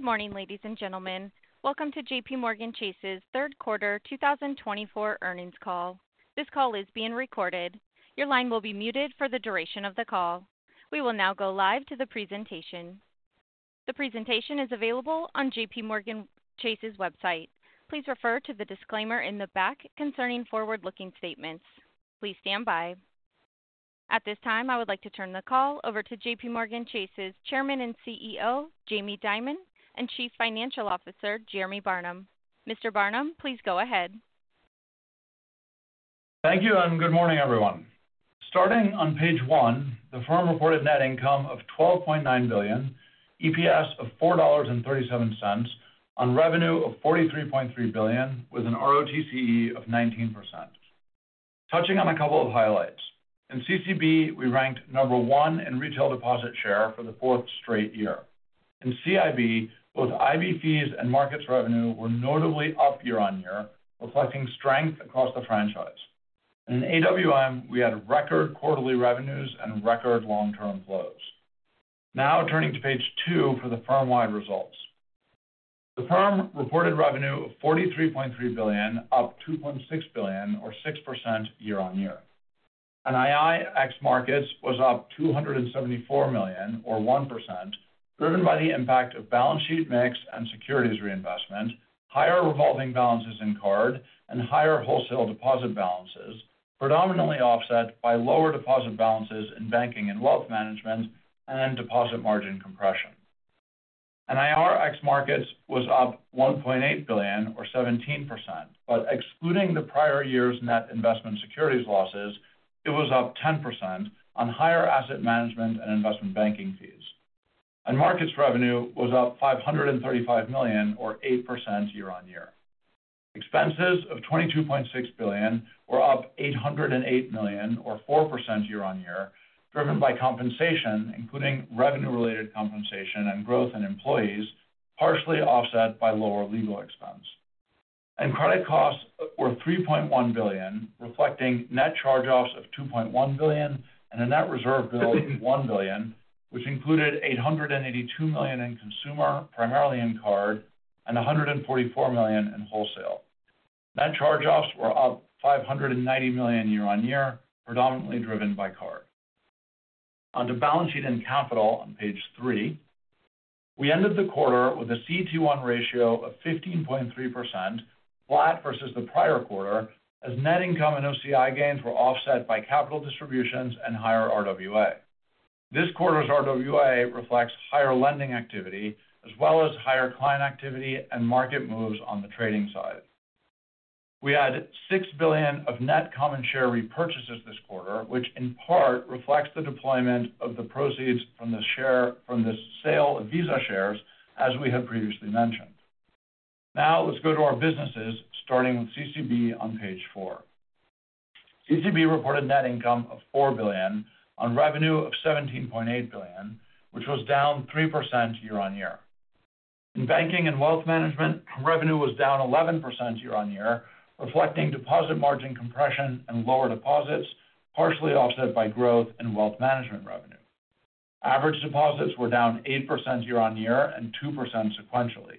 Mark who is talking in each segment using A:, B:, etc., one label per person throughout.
A: Good morning, ladies and gentlemen. Welcome to JPMorgan Chase's third quarter two thousand and twenty-four earnings call. This call is being recorded. Your line will be muted for the duration of the call. We will now go live to the presentation. The presentation is available on JPMorgan Chase's website. Please refer to the disclaimer in the back concerning forward-looking statements. Please stand by. At this time, I would like to turn the call over to JPMorgan Chase's Chairman and CEO, Jamie Dimon, and Chief Financial Officer, Jeremy Barnum. Mr. Barnum, please go ahead.
B: Thank you, and good morning, everyone. Starting on page one, the firm reported net income of $12.9 billion, EPS of $4.37 on revenue of $43.3 billion, with an ROTCE of 19%. Touching on a couple of highlights. In CCB, we ranked number one in retail deposit share for the fourth straight year. In CIB, both IB fees and Markets revenue were notably up year on year, reflecting strength across the franchise. In AWM, we had record quarterly revenues and record long-term flows. Now turning to page two for the firm-wide results. The firm reported revenue of $43.3 billion, up $2.6 billion or 6% year on year. NII ex Markets was up $274 million or 1%, driven by the impact of balance sheet mix and securities reinvestment, higher revolving balances in card, and higher wholesale deposit balances, predominantly offset by lower deposit balances in Banking and Wealth Management and deposit margin compression. NIR ex Markets was up $1.8 billion or 17%, but excluding the prior year's net investment securities losses, it was up 10% on higher asset management and investment banking fees. And Markets revenue was up $535 million or 8% year on year. Expenses of $22.6 billion were up $808 million or 4% year on year, driven by compensation, including revenue-related compensation and growth in employees, partially offset by lower legal expense. And credit costs were $3.1 billion, reflecting net charge-offs of $2.1 billion and a net reserve build of $1 billion, which included $882 million in consumer, primarily in card, and $144 million in wholesale. Net charge-offs were up $590 million year on year, predominantly driven by card. Onto balance sheet and capital on page three. We ended the quarter with a CET1 ratio of 15.3%, flat versus the prior quarter, as net income and OCI gains were offset by capital distributions and higher RWA. This quarter's RWA reflects higher lending activity, as well as higher client activity and market moves on the trading side. We had $6 billion of net common share repurchases this quarter, which in part reflects the deployment of the proceeds from the sale of Visa shares, as we have previously mentioned. Now, let's go to our businesses, starting with CCB on page four. CCB reported net income of $4 billion on revenue of $17.8 billion, which was down 3% year on year. In Banking and Wealth Management, revenue was down 11% year on year, reflecting deposit margin compression and lower deposits, partially offset by growth in wealth management revenue. Average deposits were down 8% year on year and 2% sequentially.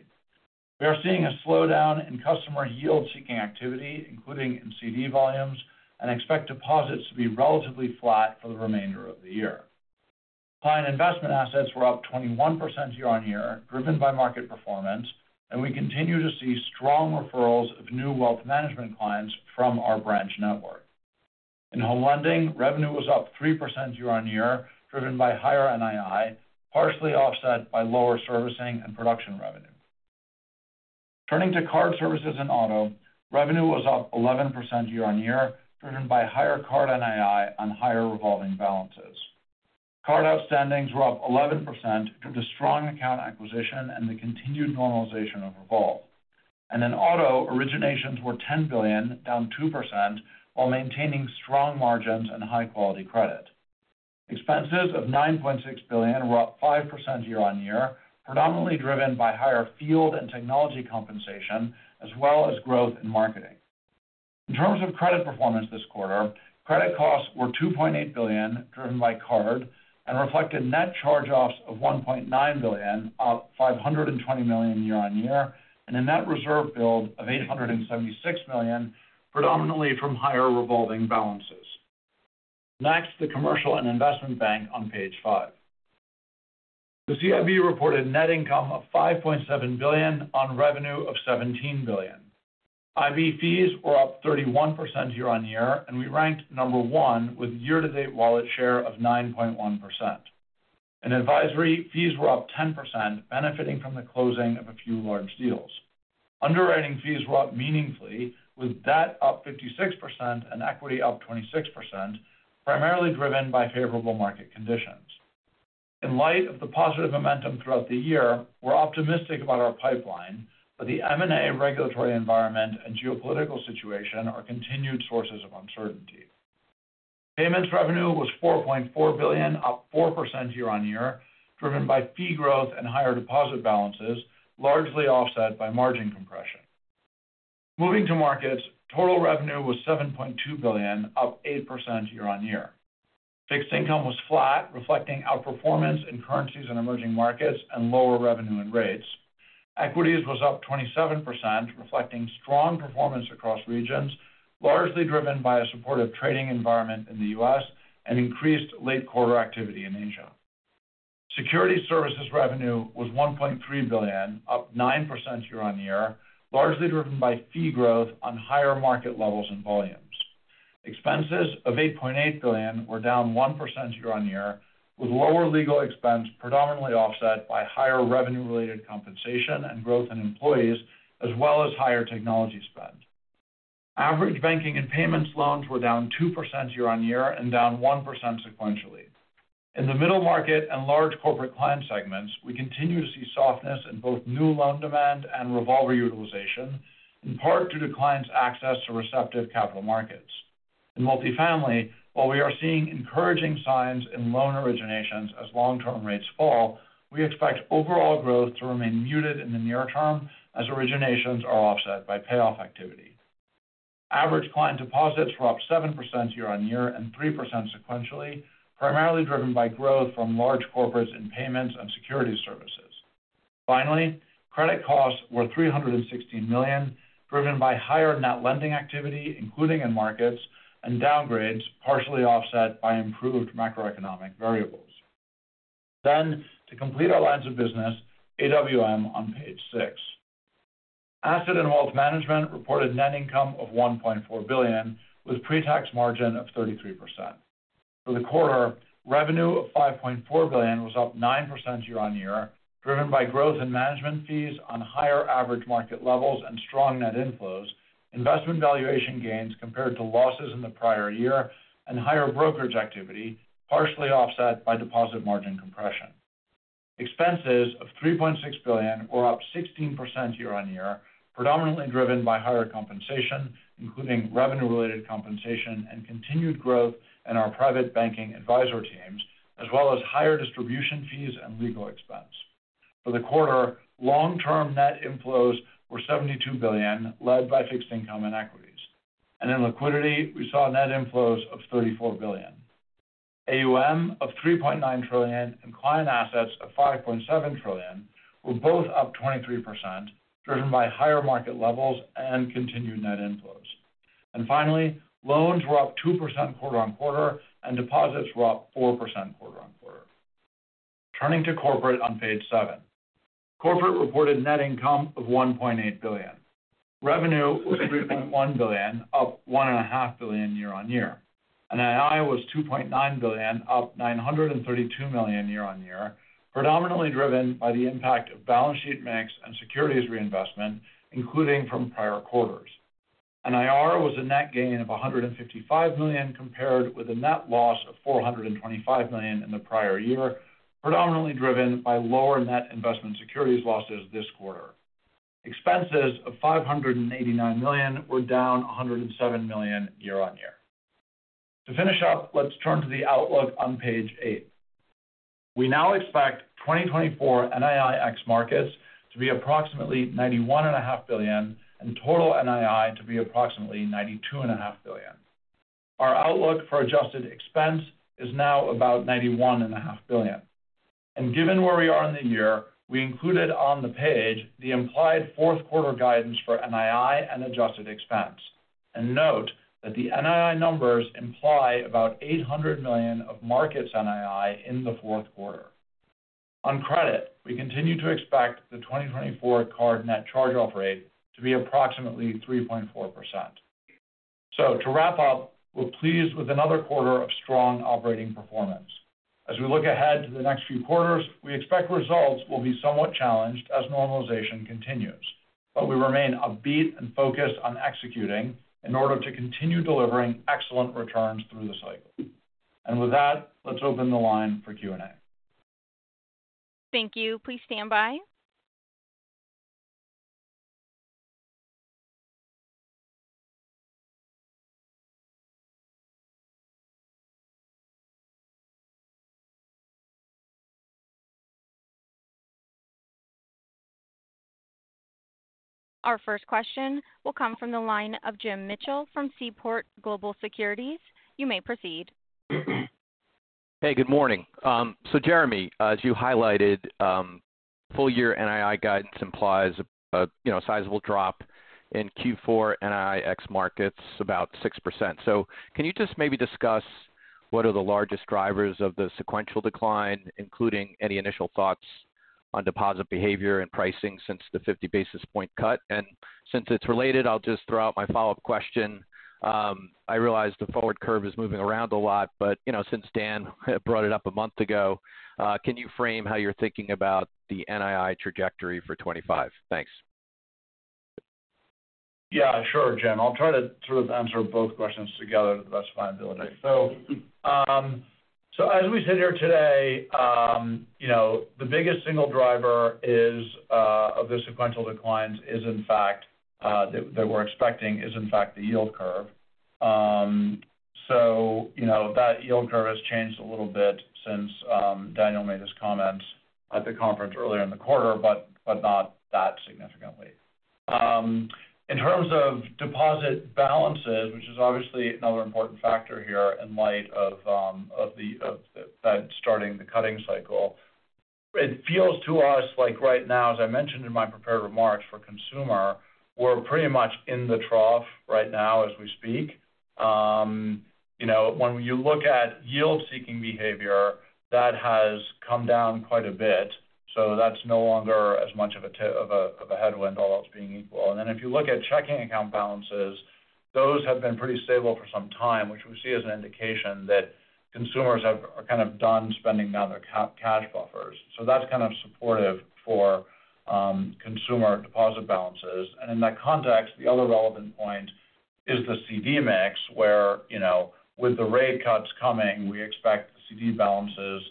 B: We are seeing a slowdown in customer yield-seeking activity, including in CD volumes, and expect deposits to be relatively flat for the remainder of the year. Client investment assets were up 21% year on year, driven by market performance, and we continue to see strong referrals of new wealth management clients from our branch network. In Home Lending, revenue was up 3% year on year, driven by higher NII, partially offset by lower servicing and production revenue. Turning to Card Services and Auto, revenue was up 11% year on year, driven by higher card NII on higher revolving balances. Card outstandings were up 11% due to strong account acquisition and the continued normalization of revolve. And in Auto, originations were $10 billion, down 2%, while maintaining strong margins and high-quality credit. Expenses of $9.6 billion were up 5% year on year, predominantly driven by higher field and technology compensation, as well as growth in marketing. In terms of credit performance this quarter, credit costs were $2.8 billion, driven by card, and reflected net charge-offs of $1.9 billion, up $520 million year on year, and a net reserve build of $876 million, predominantly from higher revolving balances. Next, the Commercial and Investment Bank on page five. The CIB reported net income of $5.7 billion on revenue of $17 billion. IB fees were up 31% year on year, and we ranked number one with year-to-date wallet share of 9.1%. In advisory, fees were up 10%, benefiting from the closing of a few large deals. Underwriting fees were up meaningfully, with debt up 56% and equity up 26%, primarily driven by favorable market conditions. In light of the positive momentum throughout the year, we're optimistic about our pipeline, but the M&A regulatory environment and geopolitical situation are continued sources of uncertainty. Payments revenue was $4.4 billion, up 4% year on year, driven by fee growth and higher deposit balances, largely offset by margin compression... Moving to Markets, total revenue was $7.2 billion, up 8% year-on-year. Fixed Income was flat, reflecting outperformance in currencies and emerging Markets and lower revenue and rates. Equities was up 27%, reflecting strong performance across regions, largely driven by a supportive trading environment in the U.S. and increased late quarter activity in Asia. Securities Services revenue was $1.3 billion, up 9% year-on-year, largely driven by fee growth on higher market levels and volumes. Expenses of $8.8 billion were down 1% year-on-year, with lower legal expense predominantly offset by higher revenue-related compensation and growth in employees, as well as higher technology spend. Average banking and Payments loans were down 2% year-on-year and down 1% sequentially. In the middle market and large Corporate client segments, we continue to see softness in both new loan demand and revolver utilization, in part due to clients' access to receptive capital Markets. In multifamily, while we are seeing encouraging signs in loan originations as long-term rates fall, we expect overall growth to remain muted in the near term as originations are offset by payoff activity. Average client deposits were up 7% year-on-year and 3% sequentially, primarily driven by growth from large Corporates in Payments and Securities Services. Finally, credit costs were $316 million, driven by higher net lending activity, including in Markets and downgrades, partially offset by improved macroeconomic variables. Then, to complete our lines of business, AWM on page six. Asset and Wealth Management reported net income of $1.4 billion, with pre-tax margin of 33%. For the quarter, revenue of $5.4 billion was up 9% year-on-year, driven by growth in management fees on higher average market levels and strong net inflows, investment valuation gains compared to losses in the prior year, and higher brokerage activity, partially offset by deposit margin compression. Expenses of $3.6 billion were up 16% year-on-year, predominantly driven by higher compensation, including revenue-related compensation and continued growth in our private banking advisor teams, as well as higher distribution fees and legal expense. For the quarter, long-term net inflows were $72 billion, led by Fixed Income and Equities. And in liquidity, we saw net inflows of $34 billion. AUM of $3.9 trillion and client assets of $5.7 trillion were both up 23%, driven by higher market levels and continued net inflows. And finally, loans were up 2% quarter-on-quarter, and deposits were up 4% quarter-on-quarter. Turning to Corporate on page seven. Corporate reported net income of $1.8 billion. Revenue was $3.1 billion, up $1.5 billion year-on-year. NII was $2.9 billion, up $932 million year-on-year, predominantly driven by the impact of balance sheet mix and securities reinvestment, including from prior quarters. NII was a net gain of $155 million, compared with a net loss of $425 million in the prior year, predominantly driven by lower net investment securities losses this quarter. Expenses of $589 million were down $107 million year-on-year. To finish up, let's turn to the outlook on page 8. We now expect 2024 NII ex Markets to be approximately $91.5 billion, and total NII to be approximately $92.5 billion. Our outlook for adjusted expense is now about $91.5 billion. And given where we are in the year, we included on the page the implied fourth quarter guidance for NII and adjusted expense. And note that the NII numbers imply about $800 million of Markets NII in the fourth quarter. On credit, we continue to expect the 2024 card net charge-off rate to be approximately 3.4%. So to wrap up, we're pleased with another quarter of strong operating performance. As we look ahead to the next few quarters, we expect results will be somewhat challenged as normalization continues, but we remain upbeat and focused on executing in order to continue delivering excellent returns through the cycle. And with that, let's open the line for Q&A.
A: Thank you. Please stand by. Our first question will come from the line of Jim Mitchell from Seaport Global Securities. You may proceed.
C: Hey, good morning. So Jeremy, as you highlighted, full year NII guidance implies a, you know, sizable drop in Q4 NII ex Markets, about 6%, so can you just maybe discuss what are the largest drivers of the sequential decline, including any initial thoughts on deposit behavior and pricing since the fifty basis point cut, and since it's related, I'll just throw out my follow-up question. I realize the forward curve is moving around a lot, but, you know, since Dan brought it up a month ago, can you frame how you're thinking about the NII trajectory for twenty-five? Thanks.
B: Yeah, sure, Jim. I'll try to sort of answer both questions together to the best of my ability. So, so as we sit here today, you know, the biggest single driver is of the sequential declines is, in fact, that we're expecting, is in fact, the yield curve. So, you know, that yield curve has changed a little bit since Daniel made his comments at the conference earlier in the quarter, but not that significantly. In terms of deposit balances, which is obviously another important factor here in light of that starting the cutting cycle, it feels to us like right now, as I mentioned in my prepared remarks for consumer, we're pretty much in the trough right now as we speak. You know, when you look at yield-seeking behavior, that has come down quite a bit, so that's no longer as much of a headwind, all else being equal. And then if you look at checking account balances, those have been pretty stable for some time, which we see as an indication that consumers are kind of done spending down their cash buffers. So that's kind of supportive for consumer deposit balances. And in that context, the other relevant point is the CD mix, where, you know, with the rate cuts coming, we expect the CD balances to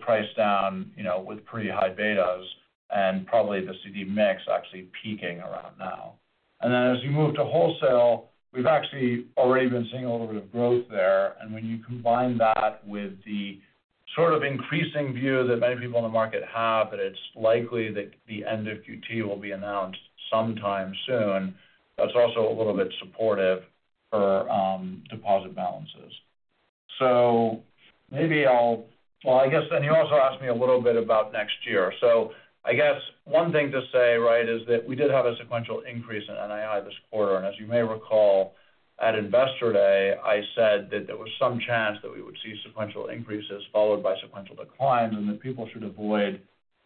B: price down, you know, with pretty high betas and probably the CD mix actually peaking around now. And then as you move to wholesale, we've actually already been seeing a little bit of growth there. And when you combine that with the sort of increasing view that many people in the market have, that it's likely that the end of QT will be announced sometime soon, that's also a little bit supportive for deposit balances. So maybe I'll, well, I guess then you also asked me a little bit about next year. So I guess one thing to say, right, is that we did have a sequential increase in NII this quarter. And as you may recall, at Investor Day, I said that there was some chance that we would see sequential increases followed by sequential declines, and that people should avoid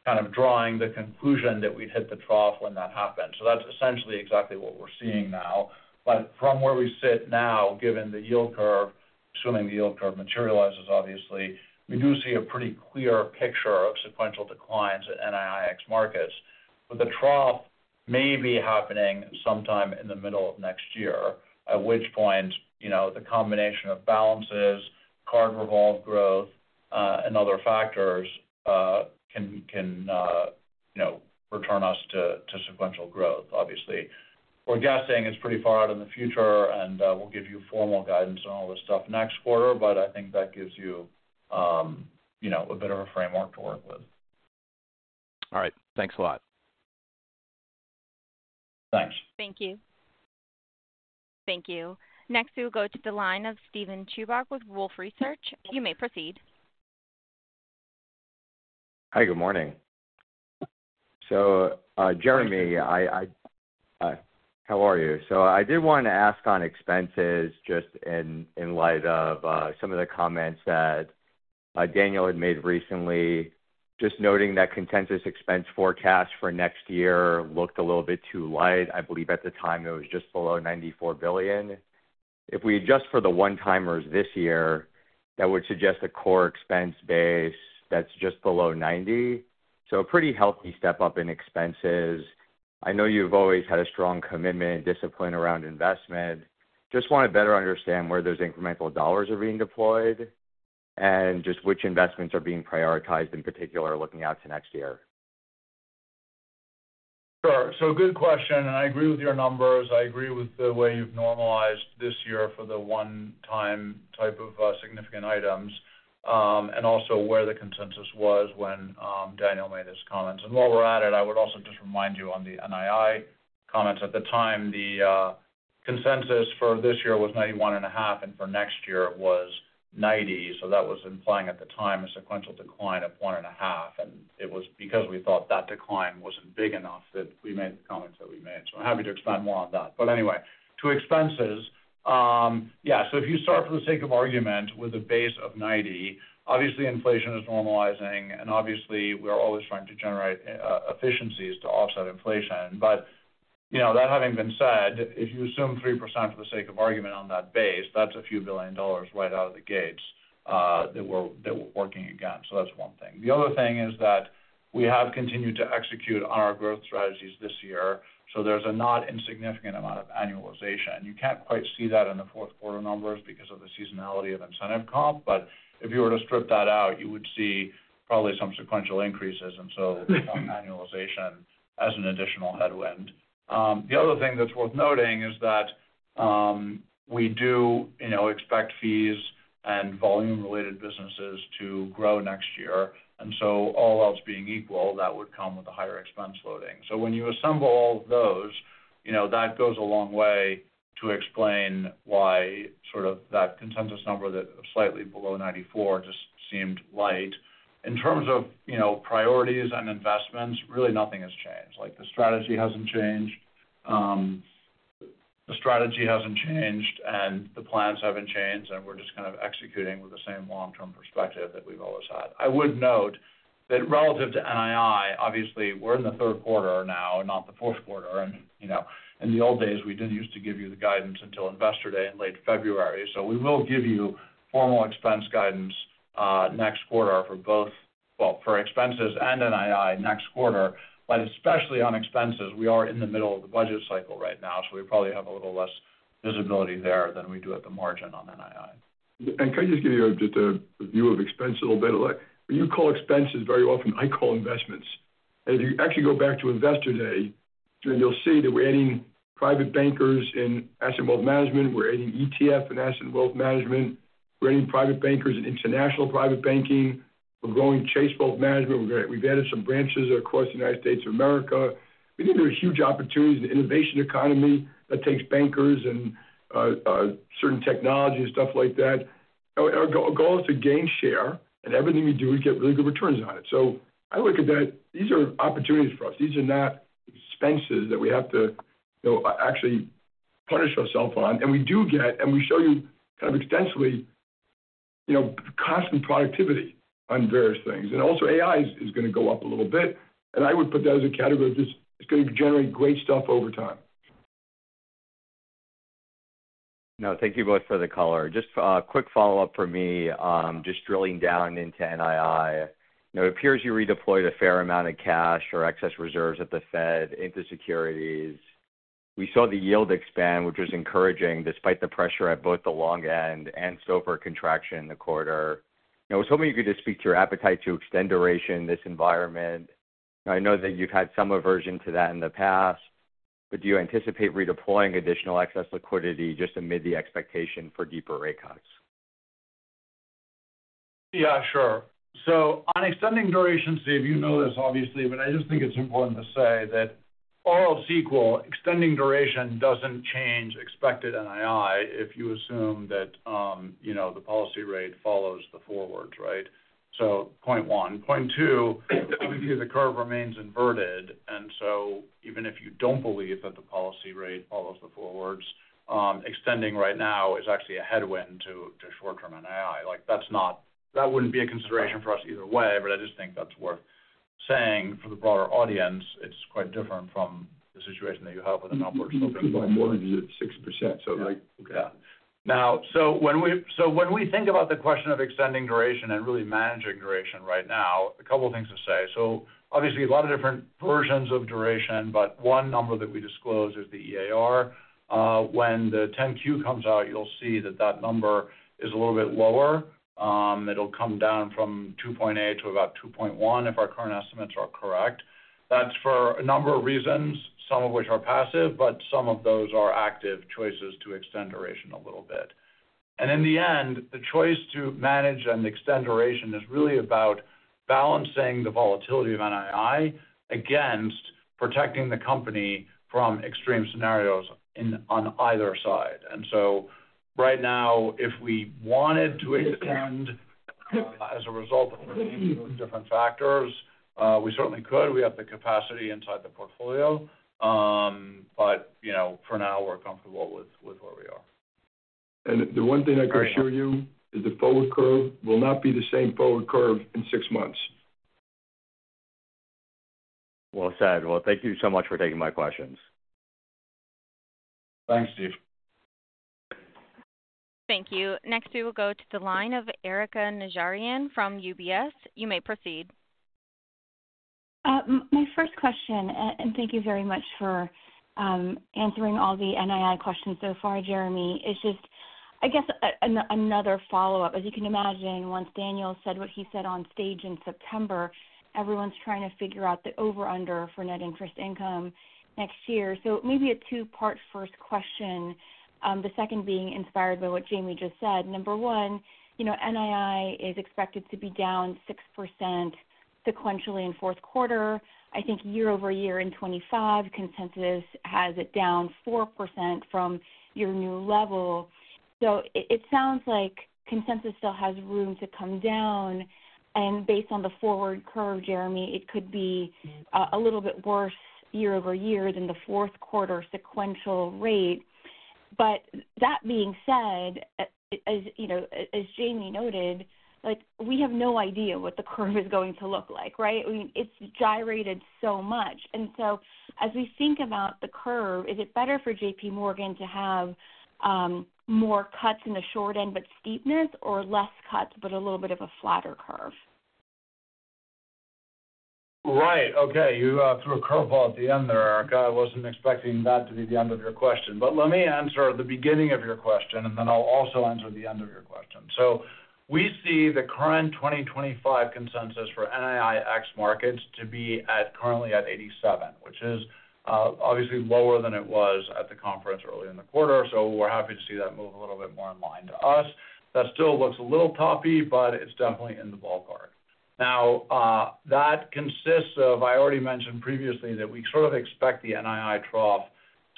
B: kind of drawing the conclusion that we'd hit the trough when that happened. So that's essentially exactly what we're seeing now. But from where we sit now, given the yield curve, assuming the yield curve materializes obviously, we do see a pretty clear picture of sequential declines at NII ex Markets. But the trough may be happening sometime in the middle of next year, at which point, you know, the combination of balances, card revolve growth, and other factors can, you know, return us to sequential growth, obviously. We're guessing it's pretty far out in the future, and we'll give you formal guidance on all this stuff next quarter, but I think that gives you, you know, a bit of a framework to work with.
C: All right. Thanks a lot.
B: Thanks.
A: Thank you. Thank you. Next, we will go to the line of Steven Chubak with Wolfe Research. You may proceed.
D: Hi, good morning. So, Jeremy, hi, how are you? So I did want to ask on expenses just in light of some of the comments that Daniel had made recently, just noting that consensus expense forecast for next year looked a little bit too light. I believe at the time it was just below $94 billion. If we adjust for the one-timers this year, that would suggest a core expense base that's just below $90 billion. So a pretty healthy step up in expenses. I know you've always had a strong commitment and discipline around investment. Just want to better understand where those incremental dollars are being deployed and just which investments are being prioritized, in particular, looking out to next year.
B: Sure. So good question, and I agree with your numbers. I agree with the way you've normalized this year for the one-time type of significant items, and also where the consensus was when Daniel made his comments. And while we're at it, I would also just remind you on the NII comments at the time, the consensus for this year was $91.5, and for next year it was $90. So that was implying at the time a sequential decline of 1.5. And it was because we thought that decline wasn't big enough that we made the comments that we made. So I'm happy to expand more on that. But anyway, to expenses, yeah, so if you start for the sake of argument with a base of 90, obviously inflation is normalizing, and obviously we are always trying to generate efficiencies to offset inflation. But, you know, that having been said, if you assume 3% for the sake of argument on that base, that's a few billion dollars right out of the gates, that we're working against. So that's one thing. The other thing is that we have continued to execute on our growth strategies this year, so there's a not insignificant amount of annualization. You can't quite see that in the fourth quarter numbers because of the seasonality of incentive comp, but if you were to strip that out, you would see probably some sequential increases, and so some annualization as an additional headwind. The other thing that's worth noting is that, we do, you know, expect fees and volume-related businesses to grow next year, and so all else being equal, that would come with a higher expense loading. So when you assemble all of those, you know, that goes a long way to explain why sort of that consensus number that slightly below ninety-four just seemed light. In terms of, you know, priorities and investments, really nothing has changed. Like, the strategy hasn't changed. The strategy hasn't changed and the plans haven't changed, and we're just kind of executing with the same long-term perspective that we've always had. I would note that relative to NII, obviously, we're in the third quarter now, not the fourth quarter, and, you know, in the old days, we did used to give you the guidance until Investor Day in late February. So we will give you formal expense guidance next quarter for expenses and NII next quarter, but especially on expenses, we are in the middle of the budget cycle right now, so we probably have a little less visibility there than we do at the margin on NII.
E: And can I just give you a view of expenses a little bit? Like, you call expenses very often, I call investments. And if you actually go back to Investor Day, then you'll see that we're adding private bankers in asset wealth management. We're adding ETF in asset wealth management. We're adding private bankers in international private banking. We're growing Chase Wealth Management. We've added some branches across the United States of America. We think there are huge opportunities in the innovation economy that takes bankers and certain technology and stuff like that. Our goal is to gain share, and everything we do, we get really good returns on it. So I look at that, these are opportunities for us. These are not expenses that we have to, you know, actually punish ourselves on. We do get, and we show you kind of extensively, you know, constant productivity on various things. Also, AI is going to go up a little bit, and I would put that as a category that just is going to generate great stuff over time.
D: No, thank you both for the color. Just, quick follow-up from me. Just drilling down into NII. You know, it appears you redeployed a fair amount of cash or excess reserves at the Fed into securities. We saw the yield expand, which was encouraging, despite the pressure at both the long end and SOFR a contraction in the quarter. I was hoping you could just speak to your appetite to extend duration in this environment. I know that you've had some aversion to that in the past, but do you anticipate redeploying additional excess liquidity just amid the expectation for deeper rate cuts?
B: Yeah, sure. So on extending duration, Steve, you know this, obviously, but I just think it's important to say that all else equal, extending duration doesn't change expected NII if you assume that, you know, the policy rate follows the forwards, right? So point one. Point two, the curve remains inverted, and so even if you don't believe that the policy rate follows the forwards, extending right now is actually a headwind to short-term NII. Like, that's not-- that wouldn't be a consideration for us either way, but I just think that's worth saying for the broader audience. It's quite different from the situation that you have with an upward sloping-
E: My mortgage is at 6%, so like, yeah.
B: Now, so when we think about the question of extending duration and really managing duration right now, a couple of things to say. So obviously, a lot of different versions of duration, but one number that we disclose is the EAR. When the 10-Q comes out, you'll see that that number is a little bit lower. It'll come down from 2.8 to about 2.1, if our current estimates are correct. That's for a number of reasons, some of which are passive, but some of those are active choices to extend duration a little bit. And in the end, the choice to manage and extend duration is really about balancing the volatility of NII against protecting the company from extreme scenarios in, on either side. And so right now, if we wanted to extend, as a result of different factors, we certainly could. We have the capacity inside the portfolio. But, you know, for now, we're comfortable with where we are.
E: The one thing I can assure you is the forward curve will not be the same forward curve in six months.
D: Well said. Well, thank you so much for taking my questions.
B: Thanks, Steve.
A: Thank you. Next, we will go to the line of Erika Najarian from UBS. You may proceed.
F: My first question, and, and thank you very much for answering all the NII questions so far, Jeremy, is just, I guess, another follow-up. As you can imagine, once Daniel said what he said on stage in September, everyone's trying to figure out the over under for net interest income next year. So maybe a two-part first question, the second being inspired by what Jamie just said. Number one, you know, NII is expected to be down 6% sequentially in fourth quarter. I think year over year in 2025, consensus has it down 4% from your new level. So it sounds like consensus still has room to come down, and based on the forward curve, Jeremy, it could be a little bit worse year over year than the fourth quarter sequential rate. But that being said, as you know, as Jamie noted, like, we have no idea what the curve is going to look like, right? I mean, it's gyrated so much. And so as we think about the curve, is it better for JPMorgan to have, more cuts in the short end, but steepness, or less cuts, but a little bit of a flatter curve?
B: Right. Okay, you, threw a curveball at the end there, Erika. I wasn't expecting that to be the end of your question. But let me answer the beginning of your question, and then I'll also answer the end of your question. So we see the current 2025 consensus for NII ex Markets to be at, currently at 87, which is, obviously lower than it was at the conference earlier in the quarter. So we're happy to see that move a little bit more in line to us. That still looks a little toppy, but it's definitely in the ballpark. Now, that consists of, I already mentioned previously that we sort of expect the NII trough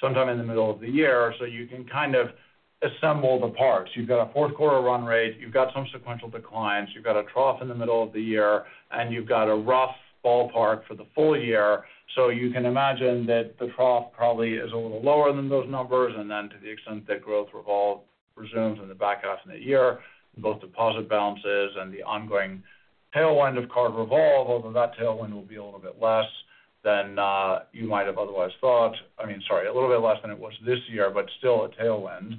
B: sometime in the middle of the year, so you can kind of assemble the parts. You've got a fourth quarter run rate, you've got some sequential declines, you've got a trough in the middle of the year, and you've got a rough ballpark for the full year. So you can imagine that the trough probably is a little lower than those numbers, and then to the extent that growth revolve resumes in the back half of the year, both deposit balances and the ongoing tailwind of card revolve, although that tailwind will be a little bit less than you might have otherwise thought. I mean, sorry, a little bit less than it was this year, but still a tailwind.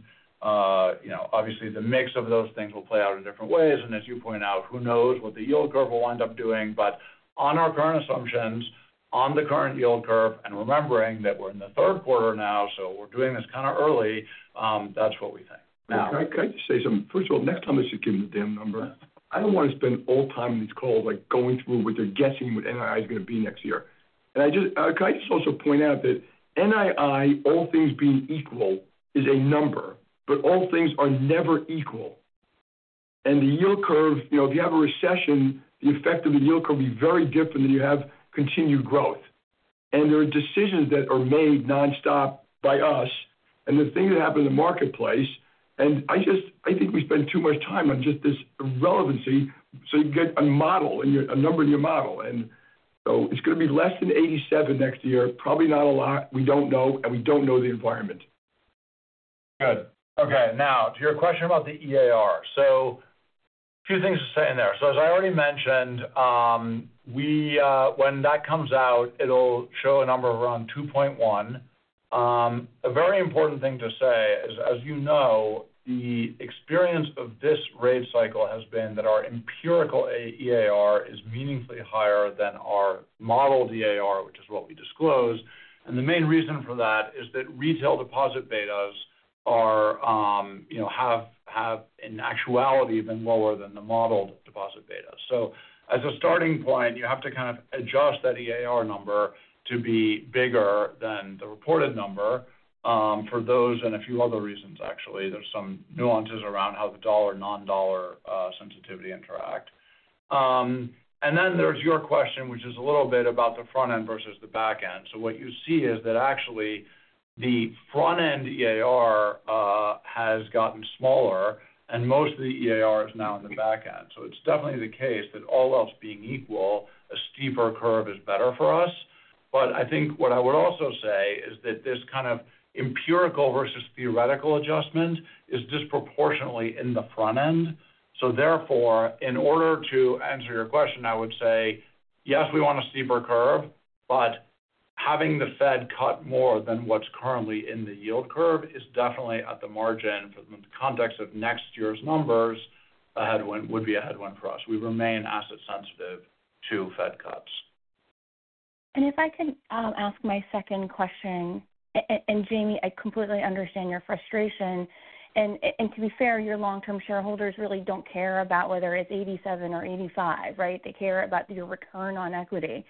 B: You know, obviously, the mix of those things will play out in different ways, and as you point out, who knows what the yield curve will end up doing? But on our current assumptions, on the current yield curve, and remembering that we're in the third quarter now, so we're doing this kind of early, that's what we think. Now-
E: Can I, can I just say something? First of all, next time I should give you the damn number. I don't want to spend all time in these calls, like, going through what they're guessing what NII is going to be next year. And I just, can I just also point out that NII, all things being equal, is a number, but all things are never equal, and the yield curve, you know, if you have a recession, the effect of the yield curve will be very different than you have continued growth. And there are decisions that are made nonstop by us and the things that happen in the marketplace. And I just, I think we spend too much time on just this relevancy, so you get a model and your, a number in your model. And so it's gonna be less than 87 next year, probably not a lot. We don't know, and we don't know the environment.
B: Good. Okay, now to your question about the EAR. So a few things to say in there. So as I already mentioned, we, when that comes out, it'll show a number around 2.1. A very important thing to say is, as you know, the experience of this rate cycle has been that our empirical EAR is meaningfully higher than our model EAR, which is what we disclose. And the main reason for that is that retail deposit betas are, you know, have in actuality been lower than the modeled deposit betas. So as a starting point, you have to kind of adjust that EAR number to be bigger than the reported number, for those and a few other reasons actually. There's some nuances around how the dollar, non-dollar, sensitivity interact. And then there's your question, which is a little bit about the front end versus the back end. So what you see is that actually the front-end EAR has gotten smaller and most of the EAR is now in the back end. So it's definitely the case that all else being equal, a steeper curve is better for us. But I think what I would also say is that this kind of empirical versus theoretical adjustment is disproportionately in the front end. So therefore, in order to answer your question, I would say, yes, we want a steeper curve, but having the Fed cut more than what's currently in the yield curve is definitely at the margin for the context of next year's numbers, a headwind, would be a headwind for us. We remain asset sensitive to Fed cuts.
F: And if I can ask my second question, and Jamie, I completely understand your frustration. And to be fair, your long-term shareholders really don't care about whether it's 87 or 85, right? They care about your return on equity.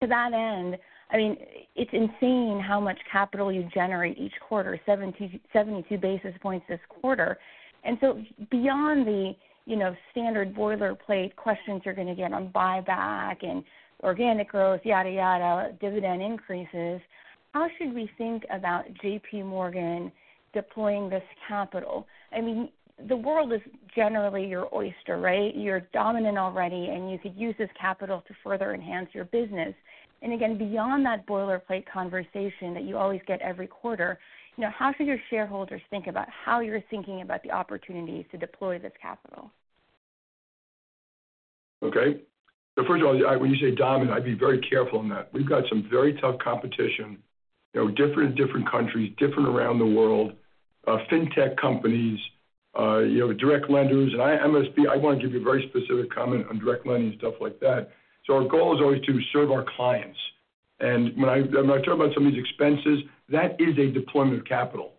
F: To that end, I mean, it's insane how much capital you generate each quarter, 70, 72 basis points this quarter. And so beyond the you know, standard boilerplate questions you're gonna get on buyback and organic growth, yada, yada, dividend increases, how should we think about J.P. Morgan deploying this capital? I mean, the world is generally your oyster, right? You're dominant already, and you could use this capital to further enhance your business. And again, beyond that boilerplate conversation that you always get every quarter, you know, how should your shareholders think about how you're thinking about the opportunities to deploy this capital?
E: Okay. So first of all, I when you say dominant, I'd be very careful on that. We've got some very tough competition, you know, different, in different countries, different around the world, fintech companies, you know, direct lenders. And I'm simply, I want to give you a very specific comment on direct lending and stuff like that. So our goal is always to serve our clients. And when I, when I talk about some of these expenses, that is a deployment of capital.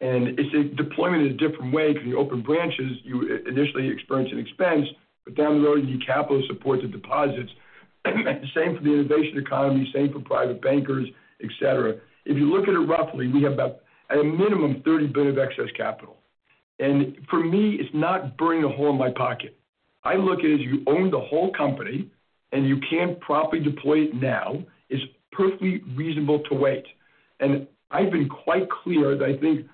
E: And it's a deployment in a different way, because when you open branches, you initially experience an expense, but down the road, you need capital to support the deposits. Same for the innovation economy, same for private bankers, et cetera. If you look at it roughly, we have about, at a minimum, $30 billion of excess capital. For me, it's not burning a hole in my pocket. I look at it as you own the whole company, and you can't properly deploy it now, it's perfectly reasonable to wait. I've been quite clear that I think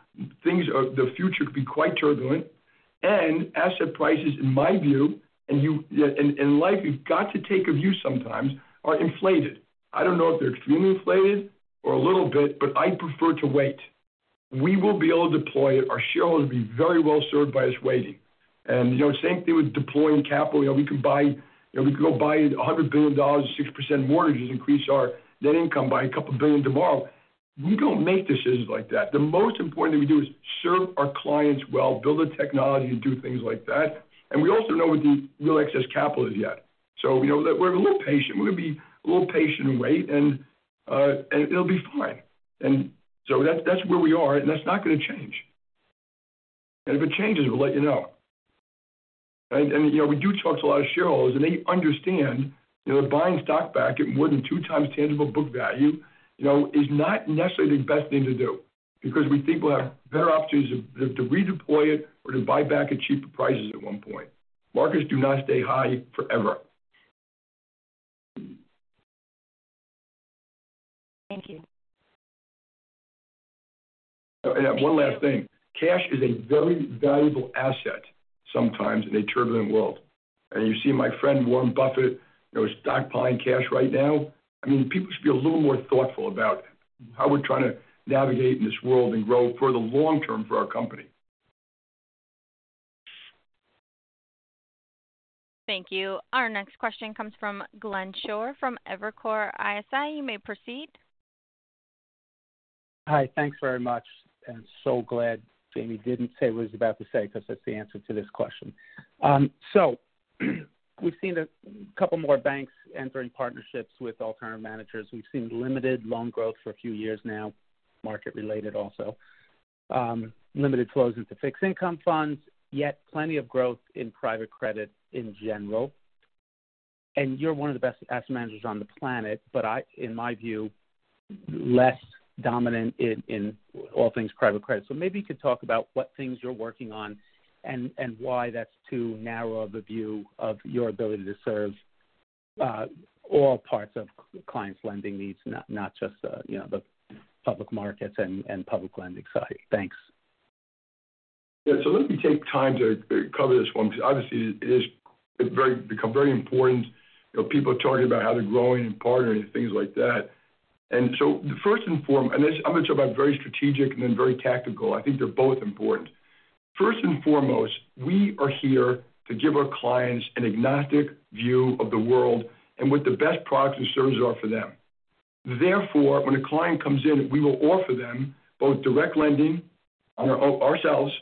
E: things are, the future could be quite turbulent, and asset prices, in my view, and you, in life, you've got to take a view sometimes, are inflated. I don't know if they're extremely inflated or a little bit, but I prefer to wait. We will be able to deploy it. Our shareholders will be very well served by us waiting. You know, same thing with deploying capital. You know, we can buy, you know, we could go buy $100 billion of 6% mortgages, increase our net income by $2 billion tomorrow. We don't make decisions like that. The most important thing we do is serve our clients well, build the technology, and do things like that. And we also know what the real excess capital is yet. So you know, we're a little patient. We're gonna be a little patient and wait, and, and it'll be fine. And so that's where we are, and that's not gonna change. And if it changes, we'll let you know. And, and, you know, we do talk to a lot of shareholders, and they understand, you know, buying stock back at more than two times tangible book value, you know, is not necessarily the best thing to do because we think we'll have better opportunities to redeploy it or to buy back at cheaper prices at one point. Markets do not stay high forever.
F: Thank you.
E: And one last thing. Cash is a very valuable asset sometimes in a turbulent world. And you see my friend Warren Buffett, you know, stockpiling cash right now. I mean, people should be a little more thoughtful about how we're trying to navigate in this world and grow for the long term for our company.
A: Thank you. Our next question comes from Glenn Schorr from Evercore ISI. You may proceed.
G: Hi, thanks very much, and so glad Jamie didn't say what he was about to say, because that's the answer to this question, so we've seen a couple more banks entering partnerships with alternative managers. We've seen limited loan growth for a few years now, market related also, limited flows into Fixed Income funds, yet plenty of growth in private credit in general... and you're one of the best asset managers on the planet, but in my view, less dominant in all things private credit. So maybe you could talk about what things you're working on and why that's too narrow of a view of your ability to serve all parts of clients' lending needs, not just, you know, the public Markets and public lending side. Thanks.
E: Yeah. Let me take time to cover this one, because obviously, it is; it's become very important. You know, people are talking about how they're growing and partnering, things like that. And the first and this, I'm gonna talk about very strategic and then very tactical. I think they're both important. First and foremost, we are here to give our clients an agnostic view of the world and what the best products and services are for them. Therefore, when a client comes in, we will offer them both direct lending on ourselves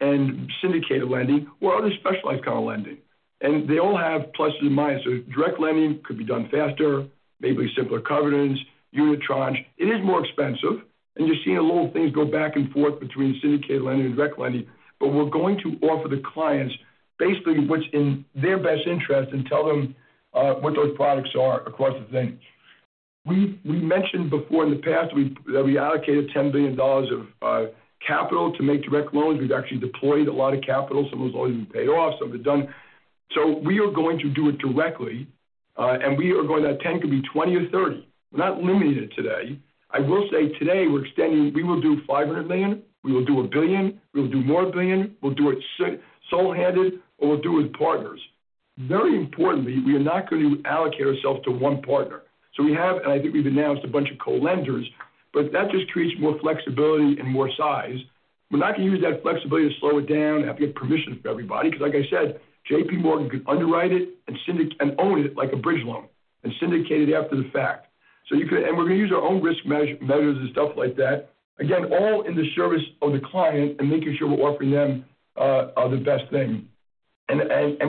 E: and syndicated lending or other specialized kind of lending. And they all have pluses and minuses. Direct lending could be done faster, maybe simpler covenants, unitranche. It is more expensive, and you're seeing a lot of things go back and forth between syndicated lending and direct lending. But we're going to offer the clients basically what's in their best interest and tell them what those products are across the things. We mentioned before in the past that we allocated $10 billion of capital to make direct loans. We've actually deployed a lot of capital. Some of those loans have been paid off, some have been done. So we are going to do it directly, and we are going to have ten, could be twenty or thirty. We're not limited today. I will say today, we will do $500 million, we will do a billion, we will do more billion. We'll do it sole handed, or we'll do it with partners. Very importantly, we are not going to allocate ourselves to one partner. We have, and I think we've announced a bunch of co-lenders, but that just creates more flexibility and more size. We're not going to use that flexibility to slow it down, have to get permission from everybody, because like I said, JPMorgan could underwrite it and syndicate and own it like a bridge loan and syndicate it after the fact. So you could. And we're gonna use our own risk measures and stuff like that. Again, all in the service of the client and making sure we're offering them the best thing. And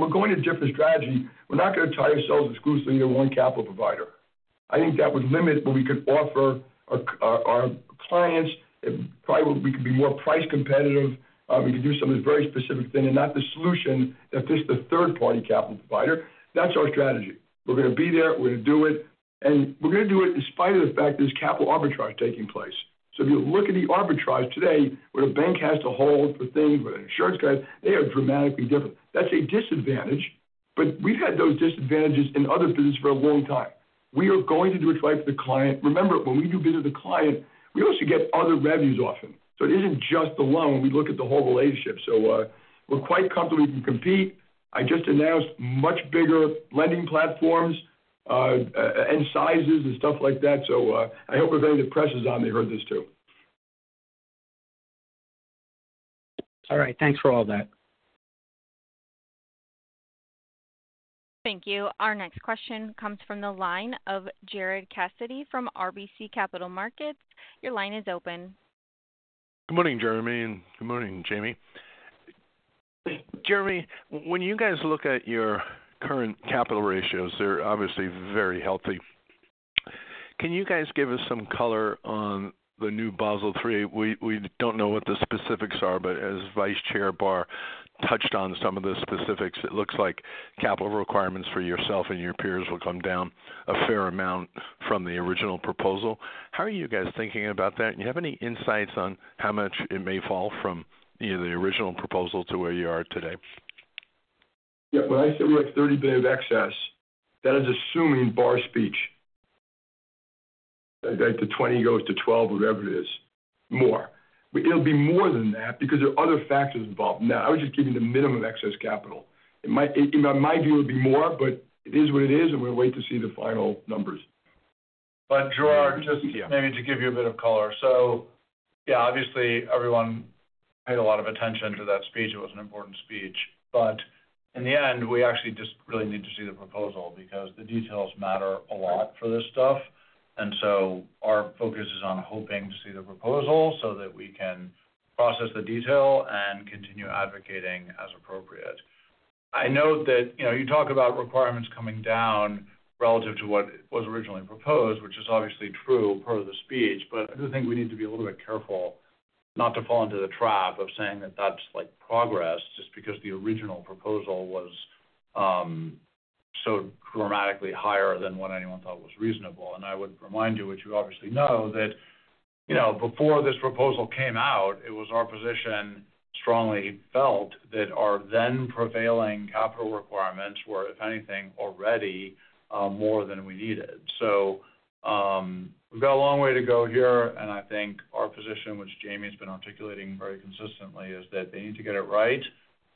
E: we're going a different strategy. We're not gonna tie ourselves exclusively to one capital provider. I think that would limit what we could offer our clients. It probably would. We could be more price competitive, we could do some of this very specific thing and not the solution that fits the third-party capital provider. That's our strategy. We're gonna be there, we're gonna do it, and we're gonna do it in spite of the fact there's capital arbitrage taking place. So if you look at the arbitrage today, where a bank has to hold the thing, where an insurance guy, they are dramatically different. That's a disadvantage, but we've had those disadvantages in other business for a long time. We are going to do what's right for the client. Remember, when we do business with a client, we also get other revenues often. So, we're quite comfortable we can compete. I just announced much bigger lending platforms, and sizes and stuff like that. So, I hope everybody that the pressure is on, they heard this, too.
G: All right. Thanks for all that.
A: Thank you. Our next question comes from the line of Gerard Cassidy from RBC Capital Markets. Your line is open.
H: Good morning, Jeremy, and good morning, Jamie. Jeremy, when you guys look at your current capital ratios, they're obviously very healthy. Can you guys give us some color on the new Basel III? We don't know what the specifics are, but as Vice Chair Barr touched on some of the specifics, it looks like capital requirements for yourself and your peers will come down a fair amount from the original proposal. How are you guys thinking about that? And you have any insights on how much it may fall from, you know, the original proposal to where you are today?
E: Yeah, when I say we have $30 billion of excess, that is assuming Barr speech. Okay, the 20 goes to 12 or whatever it is, more. But it'll be more than that because there are other factors involved. Now, I was just giving the minimum excess capital. It might, in my view, it would be more, but it is what it is, and we'll wait to see the final numbers.
B: But Gerard, just maybe to give you a bit of color. So yeah, obviously, everyone paid a lot of attention to that speech. It was an important speech. But in the end, we actually just really need to see the proposal because the details matter a lot for this stuff. And so our focus is on hoping to see the proposal so that we can process the detail and continue advocating as appropriate. I know that, you know, you talk about requirements coming down relative to what was originally proposed, which is obviously true, per the speech, but I do think we need to be a little bit careful not to fall into the trap of saying that that's like progress, just because the original proposal was so dramatically higher than what anyone thought was reasonable. I would remind you, which you obviously know, that, you know, before this proposal came out, it was our position, strongly felt, that our then prevailing capital requirements were, if anything, already, more than we needed. So, we've got a long way to go here, and I think our position, which Jamie's been articulating very consistently, is that they need to get it right,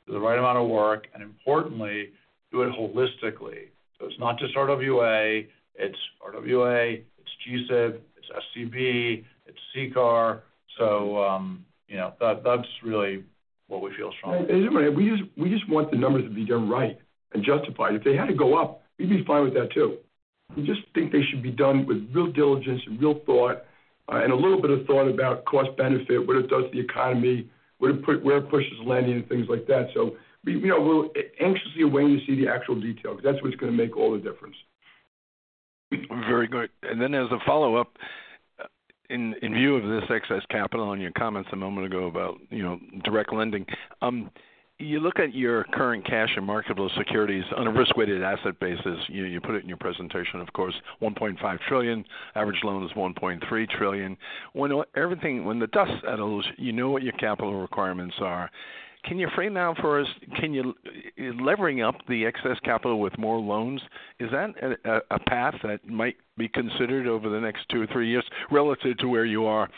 B: do the right amount of work, and importantly, do it holistically. So it's not just RWA, it's GSIB, it's SCB, it's CCAR. So, you know, that, that's really what we feel strongly.
E: And we just want the numbers to be done right and justified. If they had to go up, we'd be fine with that, too. We just think they should be done with real diligence and real thought, and a little bit of thought about cost benefit, what it does to the economy, where it pushes lending and things like that. So we are anxiously awaiting to see the actual detail, because that's what's gonna make all the difference....
H: Very good. And then as a follow-up, in view of this excess capital and your comments a moment ago about, you know, direct lending, you look at your current cash and marketable securities on a risk-weighted asset basis, you know, you put it in your presentation, of course, one point five trillion, average loan is one point three trillion. When the dust settles, you know what your capital requirements are. Can you frame out for us, levering up the excess capital with more loans, is that a path that might be considered over the next two or three years relative to where you are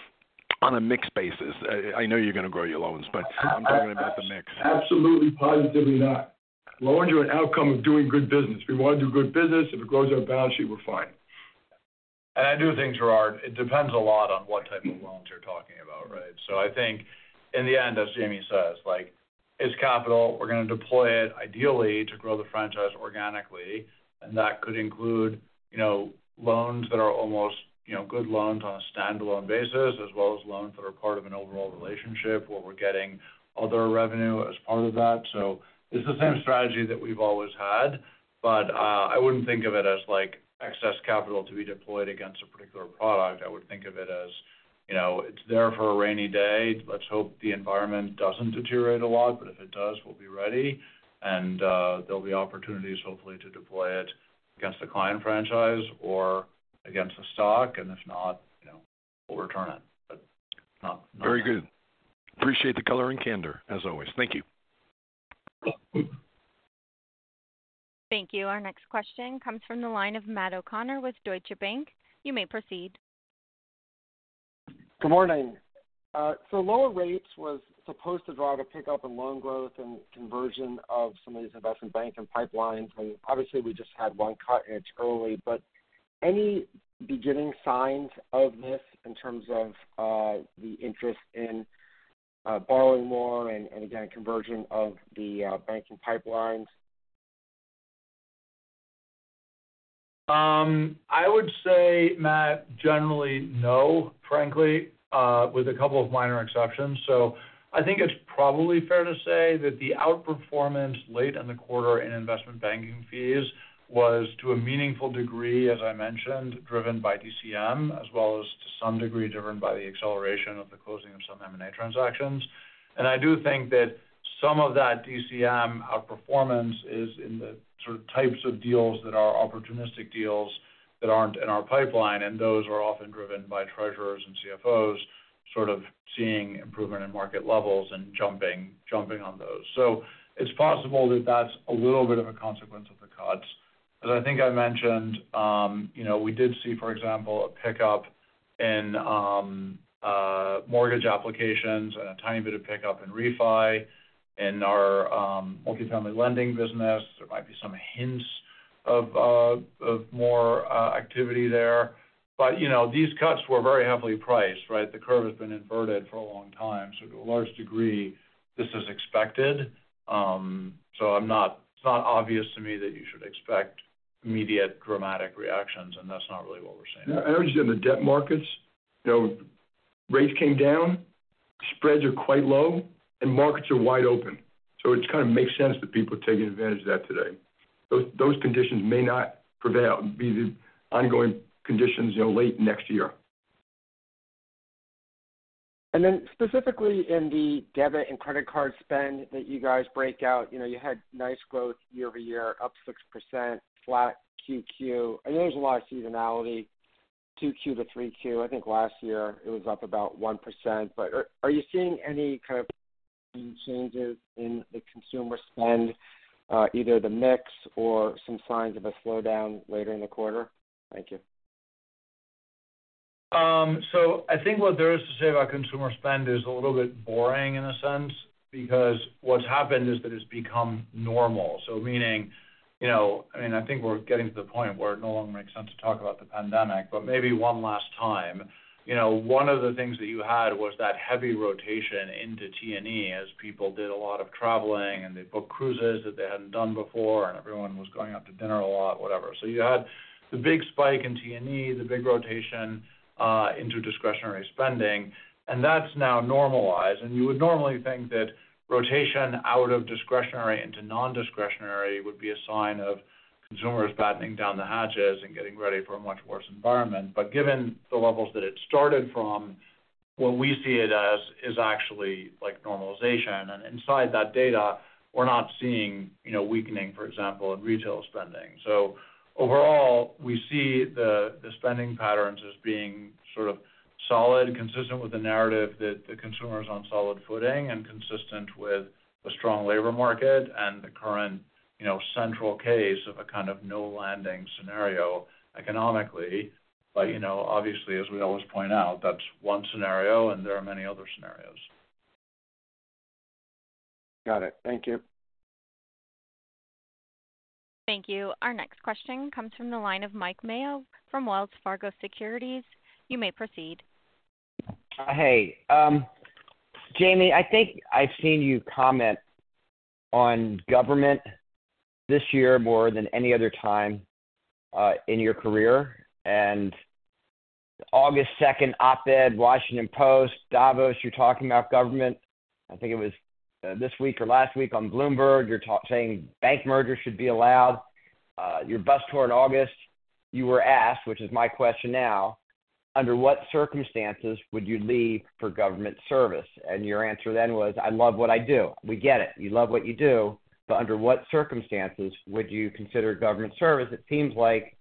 H: on a mix basis? I know you're gonna grow your loans, but I'm talking about the mix.
E: Absolutely, positively not. Loans are an outcome of doing good business. We want to do good business. If it grows our balance sheet, we're fine.
B: And I do think, Gerard, it depends a lot on what type of loans you're talking about, right? So I think in the end, as Jamie says, like, it's capital, we're gonna deploy it ideally to grow the franchise organically, and that could include, you know, loans that are almost, you know, good loans on a standalone basis, as well as loans that are part of an overall relationship, where we're getting other revenue as part of that. So it's the same strategy that we've always had, but I wouldn't think of it as like excess capital to be deployed against a particular product. I would think of it as, you know, it's there for a rainy day. Let's hope the environment doesn't deteriorate a lot, but if it does, we'll be ready. There'll be opportunities hopefully to deploy it against the client franchise or against the stock, and if not, you know, we'll return it, but not-
H: Very good. Appreciate the color and candor, as always. Thank you.
A: Thank you. Our next question comes from the line of Matt O'Connor with Deutsche Bank. You may proceed.
I: Good morning. So lower rates was supposed to lead to pick up in loan growth and conversion of some of these investment banking pipelines. I mean, obviously, we just had one cut and it's early, but any beginning signs of this in terms of the interest in borrowing more and again, conversion of the banking pipelines?
B: I would say, Matt, generally, no, frankly, with a couple of minor exceptions. So I think it's probably fair to say that the outperformance late in the quarter in investment banking fees was, to a meaningful degree, as I mentioned, driven by DCM, as well as to some degree, driven by the acceleration of the closing of some M&A transactions. And I do think that some of that DCM outperformance is in the sort of types of deals that are opportunistic deals that aren't in our pipeline, and those are often driven by treasurers and CFOs, sort of seeing improvement in market levels and jumping on those. So it's possible that that's a little bit of a consequence of the cuts. As I think I mentioned, you know, we did see, for example, a pickup in mortgage applications and a tiny bit of pickup in refi in our multifamily lending business. There might be some hints of more activity there. But, you know, these cuts were very heavily priced, right? The curve has been inverted for a long time, so to a large degree, this is expected. So it's not obvious to me that you should expect immediate dramatic reactions, and that's not really what we're seeing.
E: I understand the debt Markets, you know, rates came down, spreads are quite low, and Markets are wide open. So it kind of makes sense that people are taking advantage of that today. Those conditions may not prevail as the ongoing conditions, you know, late next year.
I: Then specifically in the debit and credit card spend that you guys break out, you know, you had nice growth year over year, up 6%, flat QQ. I know there's a lot of seasonality, 2Q to 3Q. I think last year it was up about 1%, but are you seeing any kind of changes in the consumer spend, either the mix or some signs of a slowdown later in the quarter? Thank you.
B: So I think what there is to say about consumer spend is a little bit boring in a sense, because what's happened is that it's become normal. So meaning, you know, I mean, I think we're getting to the point where it no longer makes sense to talk about the pandemic, but maybe one last time. You know, one of the things that you had was that heavy rotation into T&E as people did a lot of traveling, and they booked cruises that they hadn't done before, and everyone was going out to dinner a lot, whatever. So you had the big spike in T&E, the big rotation into discretionary spending, and that's now normalized. And you would normally think that rotation out of discretionary into non-discretionary would be a sign of consumers battening down the hatches and getting ready for a much worse environment. But given the levels that it started from, what we see it as is actually like normalization, and inside that data, we're not seeing, you know, weakening, for example, in retail spending. So overall, we see the spending patterns as being sort of solid, consistent with the narrative that the consumer is on solid footing and consistent with the strong labor market and the current, you know, central case of a kind of no landing scenario economically. But, you know, obviously, as we always point out, that's one scenario and there are many other scenarios.
I: Got it. Thank you.
A: Thank you. Our next question comes from the line of Mike Mayo from Wells Fargo Securities. You may proceed.
J: Hey. Jamie, I think I've seen you comment on government this year more than any other time, in your career. And August second op-ed, Washington Post, Davos, you're talking about government. I think it was this week or last week on Bloomberg, you're saying bank mergers should be allowed. Your bus tour in August, you were asked, which is my question now, under what circumstances would you leave for government service? And your answer then was, "I love what I do." We get it, you love what you do, but under what circumstances would you consider government service? It seems like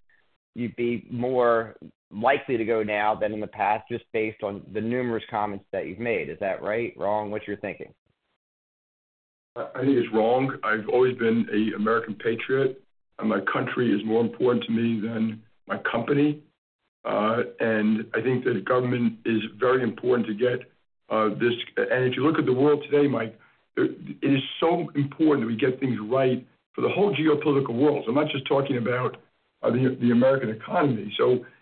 J: you'd be more likely to go now than in the past, just based on the numerous comments that you've made. Is that right, wrong? What's your thinking?
E: I think it's wrong. I've always been an American patriot, and my country is more important to me than my company. And I think that government is very important to get this, and if you look at the world today, Mike, it is so important that we get things right for the whole geopolitical world. I'm not just talking about the American economy,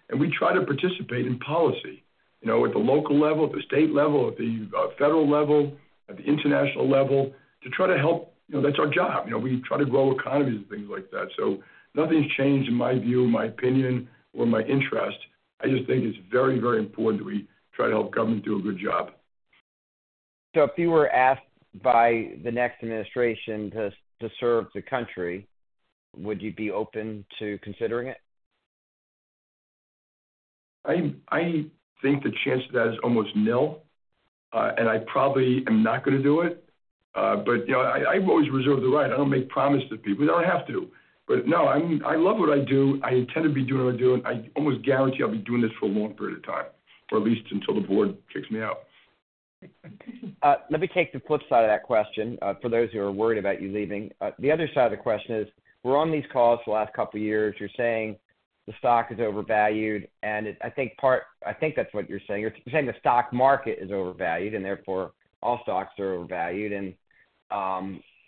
E: and we try to participate in policy, you know, at the local level, at the state level, at the federal level, at the international level, to try to help. You know, that's our job. You know, we try to grow economies and things like that, so nothing's changed in my view, my opinion, or my interest. I just think it's very, very important that we try to help government do a good job.
J: If you were asked by the next administration to serve the country, would you be open to considering it?
E: I think the chance of that is almost nil, and I probably am not gonna do it. But you know, I've always reserved the right. I don't make promises to people. You don't have to. But no, I love what I do. I intend to be doing what I'm doing. I almost guarantee I'll be doing this for a long period of time, or at least until the board kicks me out.
J: Let me take the flip side of that question, for those who are worried about you leaving. The other side of the question is, we're on these calls the last couple of years, you're saying the stock is overvalued, and I think that's what you're saying. You're saying the stock market is overvalued, and therefore all stocks are overvalued. And,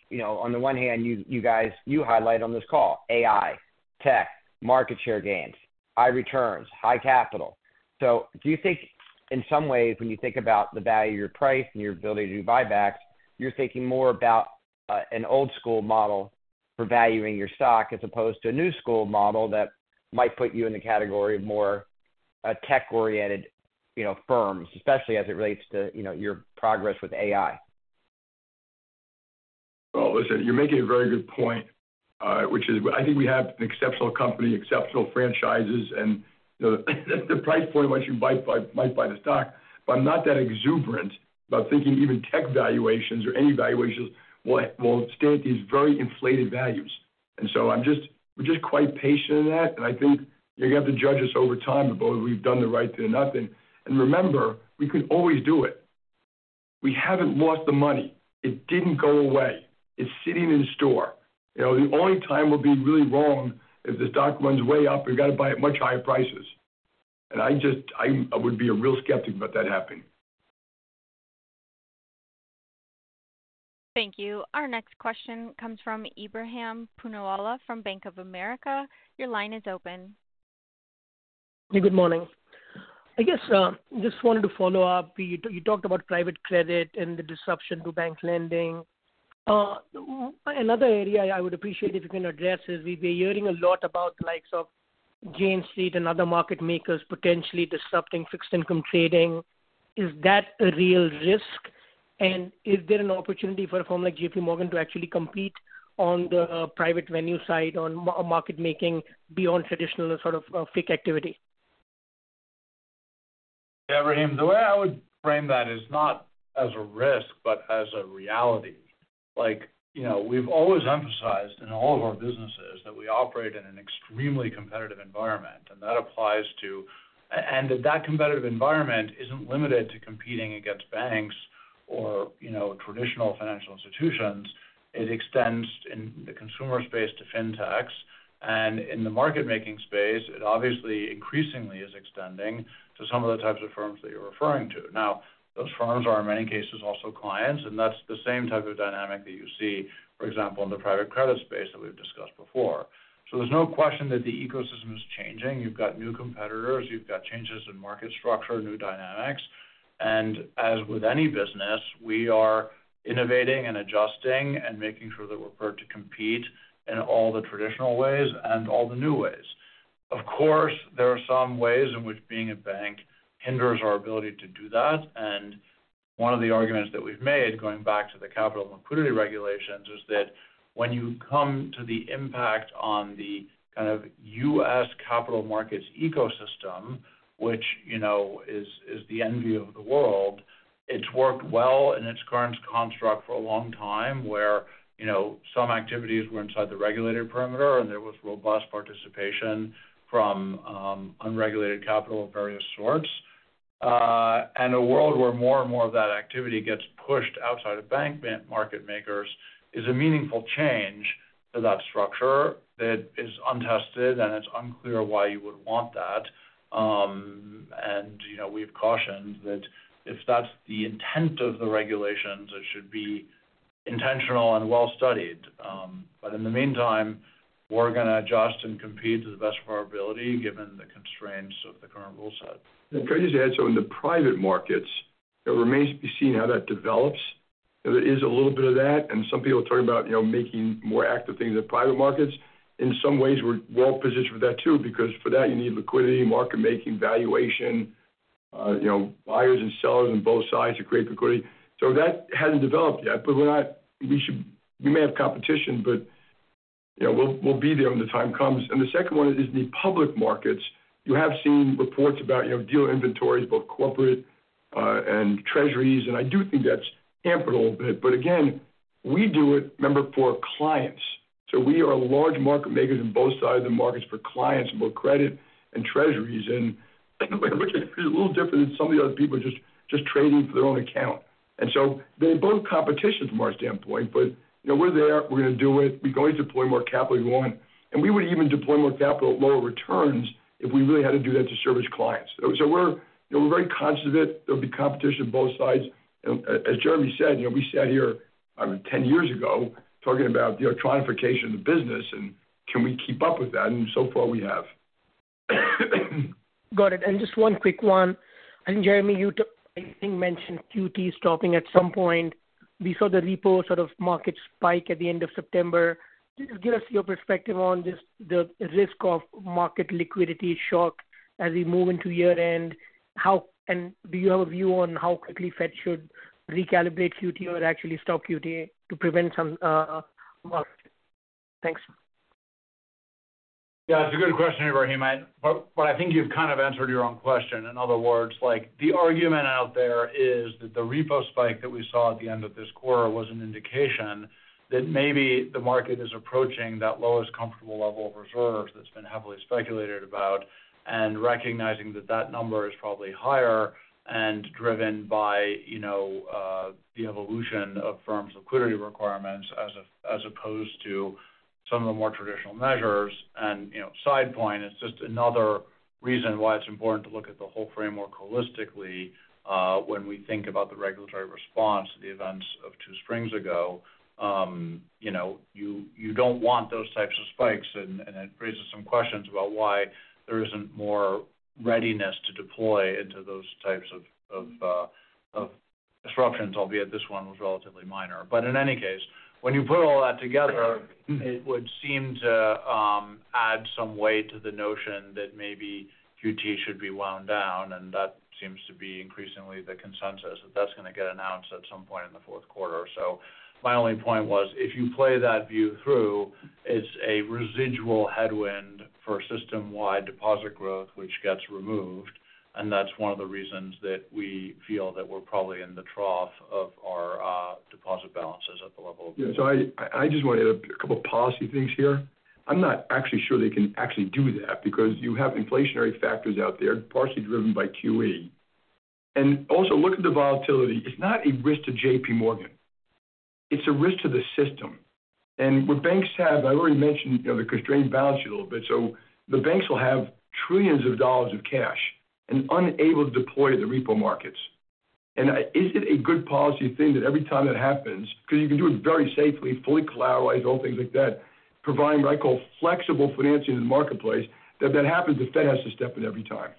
J: you know, on the one hand, you, you guys, you highlight on this call, AI, tech, market share gains, high returns, high capital. So do you think in some ways, when you think about the value of your price and your ability to do buybacks, you're thinking more about an old school model for valuing your stock, as opposed to a new school model that might put you in the category of more tech-oriented, you know, firms, especially as it relates to, you know, your progress with AI?
E: Listen, you're making a very good point, which is I think we have an exceptional company, exceptional franchises, and, you know, the price point, once you buy might buy the stock. But I'm not that exuberant about thinking even tech valuations or any valuations will stand at these very inflated values. And so I'm just. We're just quite patient in that, and I think you're gonna have to judge us over time, but we've done the right thing or nothing. And remember, we can always do it. We haven't lost the money. It didn't go away. It's sitting in store. You know, the only time we'll be really wrong is if the stock runs way up, and you got to buy at much higher prices. And I just I would be a real skeptic about that happening.
A: Thank you. Our next question comes from Ebrahim Poonawala from Bank of America. Your line is open.
K: Good morning. I guess just wanted to follow up. You talked about private credit and the disruption to bank lending. Another area I would appreciate if you can address is, we've been hearing a lot about the likes of Jane Street and other market makers potentially disrupting Fixed Income trading. Is that a real risk? And is there an opportunity for a firm like JPMorgan to actually compete on the private venue side, on market making beyond traditional sort of FICC activity?
B: Ebrahim, the way I would frame that is not as a risk, but as a reality. Like, you know, we've always emphasized in all of our businesses that we operate in an extremely competitive environment, and that applies to... and that competitive environment isn't limited to competing against banks or, you know, traditional financial institutions. It extends in the consumer space to fintechs, and in the market making space, it obviously increasingly is extending to some of the types of firms that you're referring to. Now, those firms are, in many cases, also clients, and that's the same type of dynamic that you see, for example, in the private credit space that we've discussed before. So there's no question that the ecosystem is changing. You've got new competitors, you've got changes in market structure, new dynamics. And as with any business, we are innovating and adjusting and making sure that we're prepared to compete in all the traditional ways and all the new ways. Of course, there are some ways in which being a bank hinders our ability to do that, and one of the arguments that we've made, going back to the capital and liquidity regulations, is that when you come to the impact on the kind of U.S. capital Markets ecosystem, which, you know, is the envy of the world, it's worked well in its current construct for a long time, where, you know, some activities were inside the regulated perimeter, and there was robust participation from unregulated capital of various sorts. And a world where more and more of that activity gets pushed outside of bank market makers is a meaningful change to that structure that is untested, and it's unclear why you would want that, and, you know, we've cautioned that if that's the intent of the regulations, it should be intentional and well-studied, but in the meantime, we're gonna adjust and compete to the best of our ability, given the constraints of the current rule set.
E: And can I just add, so in the private Markets, it remains to be seen how that develops. There is a little bit of that, and some people are talking about, you know, making more active things in private Markets. In some ways, we're well positioned for that too, because for that you need liquidity, market making, valuation, you know, buyers and sellers on both sides to create liquidity. So that hasn't developed yet, but we may have competition, but, you know, we'll, we'll be there when the time comes. And the second one is the public Markets. You have seen reports about, you know, dealer inventories, both Corporate and treasuries, and I do think that's hampered a little bit. But again, we do it, remember, for our clients. So we are large market makers in both sides of the Markets for clients in both credit and treasuries. And it's a little different than some of the other people just trading for their own account. And so they're both competition from our standpoint, but you know, we're there. We're gonna do it. We're going to deploy more capital if we want. And we would even deploy more capital at lower returns if we really had to do that to service clients. So we're you know, we're very conscious of it. There'll be competition on both sides. And as Jeremy said, you know, we sat here. I don't know, ten years ago, talking about the electronification of the business, and can we keep up with that? And so far we have.
K: Got it. And just one quick one. I think, Jeremy, you too, I think, mentioned QT stopping at some point. We saw the repo sort of market spike at the end of September. Just give us your perspective on this, the risk of market liquidity shock as we move into year-end. How and do you have a view on how quickly Fed should recalibrate QT or actually stop QT to prevent some market? Thanks.
B: Yeah, it's a good question, Ebrahim, but I think you've kind of answered your own question. In other words, like, the argument out there is that the repo spike that we saw at the end of this quarter was an indication that maybe the market is approaching that lowest comfortable level of reserves that's been heavily speculated about, and recognizing that that number is probably higher and driven by, you know, the evolution of firms' liquidity requirements as opposed to some of the more traditional measures. And, you know, side point, it's just another reason why it's important to look at the whole framework holistically, when we think about the regulatory response to the events of two springs ago. You know, you don't want those types of spikes, and it raises some questions about why there isn't more readiness to deploy into those types of disruptions, albeit this one was relatively minor. But in any case, when you put all that together, it would seem to add some weight to the notion that maybe QT should be wound down, and that seems to be increasingly the consensus, that that's gonna get announced at some point in the fourth quarter. So my only point was, if you play that view through, it's a residual headwind for system-wide deposit growth, which gets removed, and that's one of the reasons that we feel that we're probably in the trough of our deposit balances at the level of-
E: Yeah, so I, I just want to add a couple of policy things here. I'm not actually sure they can actually do that, because you have inflationary factors out there, partially driven by QE. And also, look at the volatility. It's not a risk to JPMorgan. It's a risk to the system. And what banks have, I already mentioned, you know, the constrained balance sheet a little bit. So the banks will have trillions of dollars of cash and unable to deploy the repo Markets. And I - is it a good policy thing that every time that happens, because you can do it very safely, fully collateralized, all things like that, providing what I call flexible financing in the marketplace, that that happens, the Fed has to step in every time.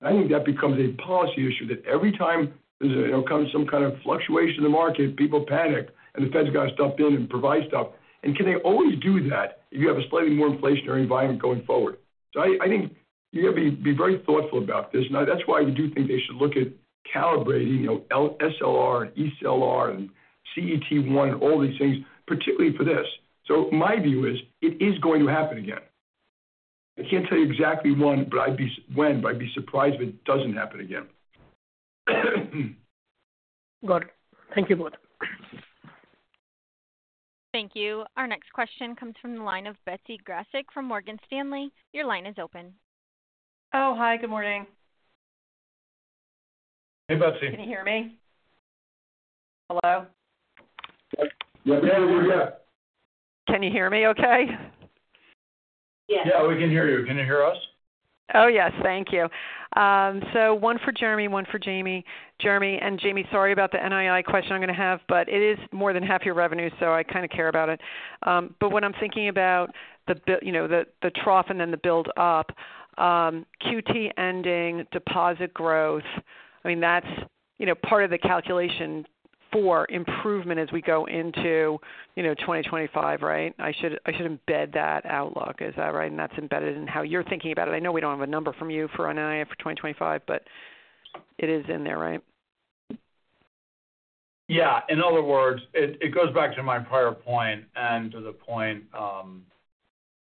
E: I think that becomes a policy issue, that every time there's a, you know, comes some kind of fluctuation in the market, people panic, and the Fed's got to step in and provide stuff. And can they always do that if you have a slightly more inflationary environment going forward? I think you gotta be very thoughtful about this. Now, that's why we do think they should look at calibrating, you know, the SLR and eSLR and CET1, all these things, particularly for this. So my view is, it is going to happen again. I can't tell you exactly when, but I'd be surprised if it doesn't happen again.
K: Got it. Thank you both.
A: Thank you. Our next question comes from the line of Betsy Graseck from Morgan Stanley. Your line is open.
L: Oh, hi, good morning.
E: Hey, Betsy.
L: Can you hear me? Hello?
E: Yep, we're here.
L: Can you hear me okay?
A: Yes.
B: Yeah, we can hear you. Can you hear us?
L: Oh, yes. Thank you. So one for Jeremy, one for Jamie. Jeremy and Jamie, sorry about the NII question I'm gonna have, but it is more than half your revenue, so I kind of care about it. But when I'm thinking about the build, you know, the trough and then the build up, QT ending, deposit growth, I mean, that's, you know, part of the calculation for improvement as we go into, you know, twenty twenty-five, right? I should embed that outlook. Is that right? And that's embedded in how you're thinking about it. I know we don't have a number from you for NII for twenty twenty-five, but it is in there, right?
B: Yeah. In other words, it goes back to my prior point and to the point,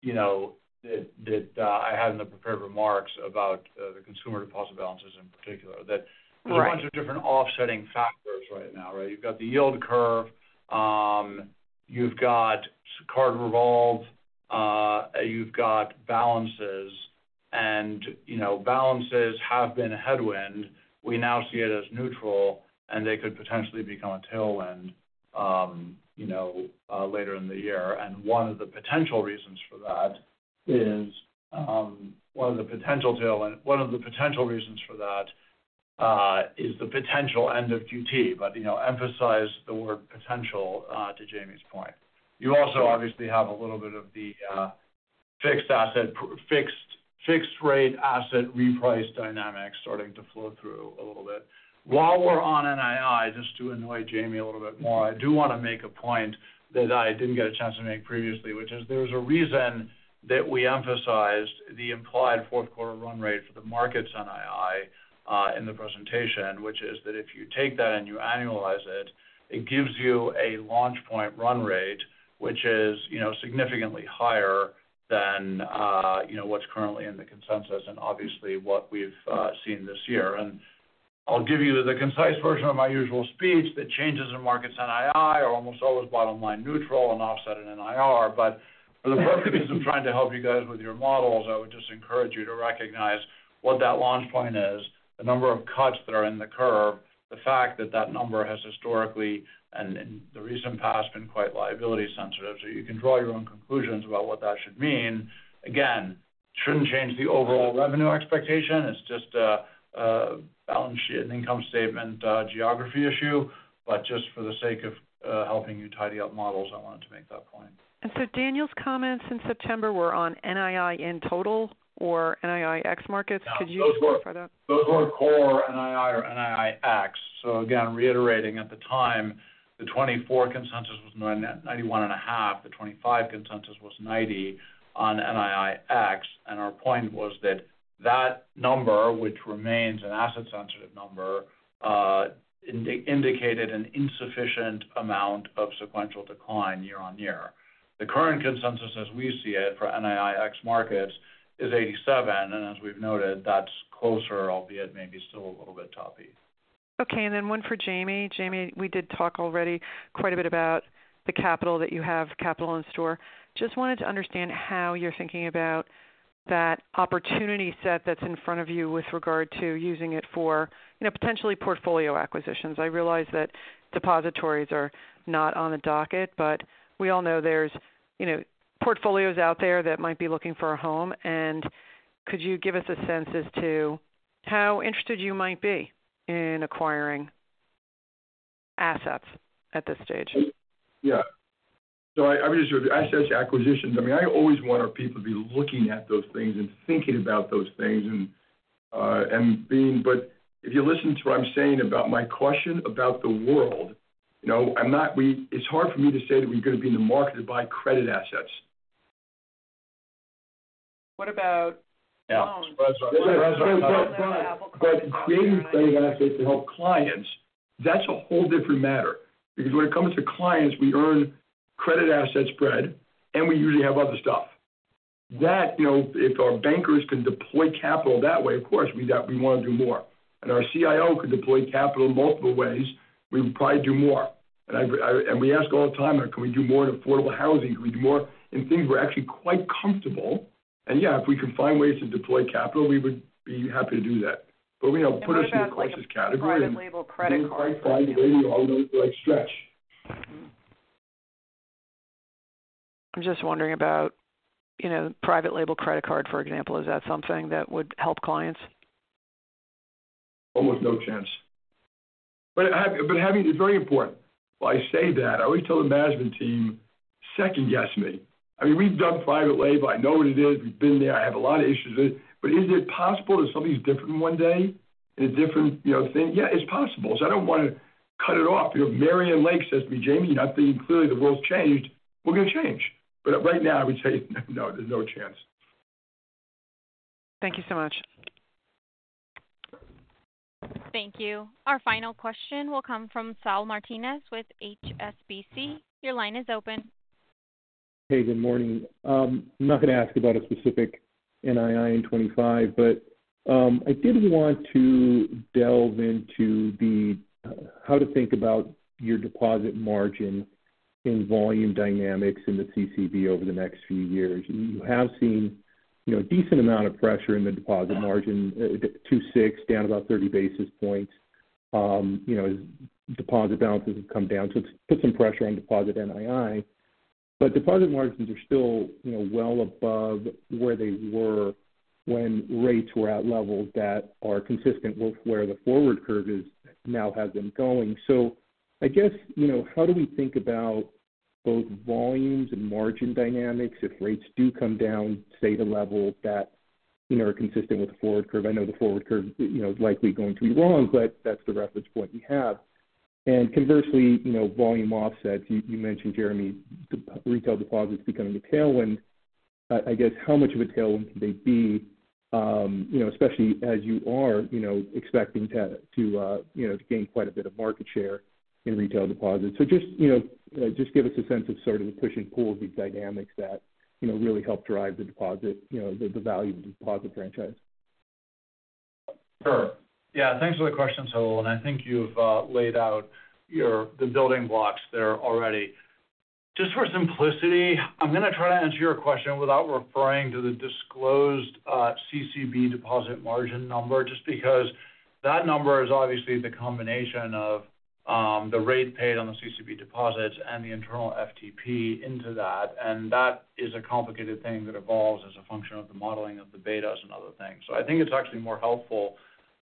B: you know, that I had in the prepared remarks about the consumer deposit balances in particular.
L: Right.
B: That there's a bunch of different offsetting factors right now, right? You've got the yield curve, you've got card revolve, you've got balances. And, you know, balances have been a headwind. We now see it as neutral, and they could potentially become a tailwind, you know, later in the year. And one of the potential reasons for that is the potential end of QT. But, you know, emphasize the word potential to Jamie's point. You also obviously have a little bit of the fixed rate asset reprice dynamics starting to flow through a little bit. While we're on NII, just to annoy Jamie a little bit more, I do want to make a point that I didn't get a chance to make previously, which is there's a reason that we emphasized the implied fourth quarter run rate for the Markets NII, in the presentation, which is that if you take that and you annualize it, it gives you a launch point run rate, which is, you know, significantly higher than, you know, what's currently in the consensus and obviously what we've seen this year. And I'll give you the concise version of my usual speech, that changes in Markets NII are almost always bottom line neutral and offset in NIR. But for the purposes of trying to help you guys with your models, I would just encourage you to recognize what that launch point is, the number of cuts that are in the curve, the fact that that number has historically and in the recent past been quite liability sensitive. So you can draw your own conclusions about what that should mean. Again, shouldn't change the overall revenue expectation. It's just a balance sheet and income statement geography issue. But just for the sake of helping you tidy up models, I wanted to make that point.
L: And so Daniel's comments in September were on NII in total or NII ex Markets? Could you-
B: Those were, those were core NII or NII ex. So again, reiterating, at the time, the 2024 consensus was $91.5. The 2025 consensus was $90 on NII ex, and our point was that that number, which remains an asset-sensitive number, indicated an insufficient amount of sequential decline year on year. The current consensus, as we see it, for NII ex Markets, is $87, and as we've noted, that's closer, albeit maybe still a little bit toppy.
L: Okay, and then one for Jamie. Jamie, we did talk already quite a bit about the capital that you have, capital in store. Just wanted to understand how you're thinking about that opportunity set that's in front of you with regard to using it for, you know, potentially portfolio acquisitions. I realize that depositories are not on the docket, but we all know there's, you know, portfolios out there that might be looking for a home. And could you give us a sense as to how interested you might be in acquiring assets at this stage?
E: Yeah. So I mean, just asset acquisitions. I mean, I always want our people to be looking at those things and thinking about those things and but if you listen to what I'm saying about my question about the world, you know, I'm not. We-- It's hard for me to say that we're going to be in the market to buy credit assets.
L: What about-
B: Yeah.
E: But, but, but creating credit assets to help clients, that's a whole different matter. Because when it comes to clients, we earn credit asset spread, and we usually have other stuff. That, you know, if our bankers can deploy capital that way, of course, we want to do more. And our CIO could deploy capital in multiple ways, we would probably do more. And we ask all the time, Can we do more in affordable housing? Can we do more in things we're actually quite comfortable? And yeah, if we can find ways to deploy capital, we would be happy to do that. But, you know, put us in the cautious category.
L: Private label credit card.
E: We always like stretch.
L: I'm just wondering about, you know, private label credit card, for example. Is that something that would help clients?
E: Almost no chance. But having it is very important. While I say that, I always tell the management team, "Second-guess me." I mean, we've done private label. I know what it is. We've been there. I have a lot of issues with it. But is it possible that something's different one day and a different, you know, thing? Yeah, it's possible. So I don't want to cut it off. You know, Marianne Lake says to me, "Jamie, you're not being, clearly, the world's changed." We're going to change. But right now, I would say, no, there's no chance.
L: Thank you so much.
B: Thank you. Our final question will come from Saul Martinez with HSBC. Your line is open.
M: Hey, good morning. I'm not going to ask about a specific NII in 2025, but I did want to delve into the how to think about your deposit margin in volume dynamics in the CCB over the next few years. You have seen, you know, a decent amount of pressure in the deposit margin, 2.6, down about thirty basis points. You know, deposit balances have come down, so it's put some pressure on deposit NII. But deposit margins are still, you know, well above where they were when rates were at levels that are consistent with where the forward curve is now has them going. So I guess, you know, how do we think about both volumes and margin dynamics if rates do come down, say, to levels that, you know, are consistent with the forward curve? I know the forward curve, you know, is likely going to be wrong, but that's the reference point we have, and conversely, you know, volume offsets. You mentioned, Jeremy, the retail deposits becoming a tailwind. I guess, how much of a tailwind can they be, you know, especially as you are, you know, expecting to, you know, to gain quite a bit of market share in retail deposits. So just, you know, just give us a sense of sort of the push and pull of these dynamics that, you know, really help drive the deposit, you know, the value of the deposit franchise.
B: Sure. Yeah, thanks for the question, Saul, and I think you've laid out your, the building blocks there already. Just for simplicity, I'm going to try to answer your question without referring to the disclosed CCB deposit margin number, just because that number is obviously the combination of the rate paid on the CCB deposits and the internal FTP into that, and that is a complicated thing that evolves as a function of the modeling of the betas and other things, so I think it's actually more helpful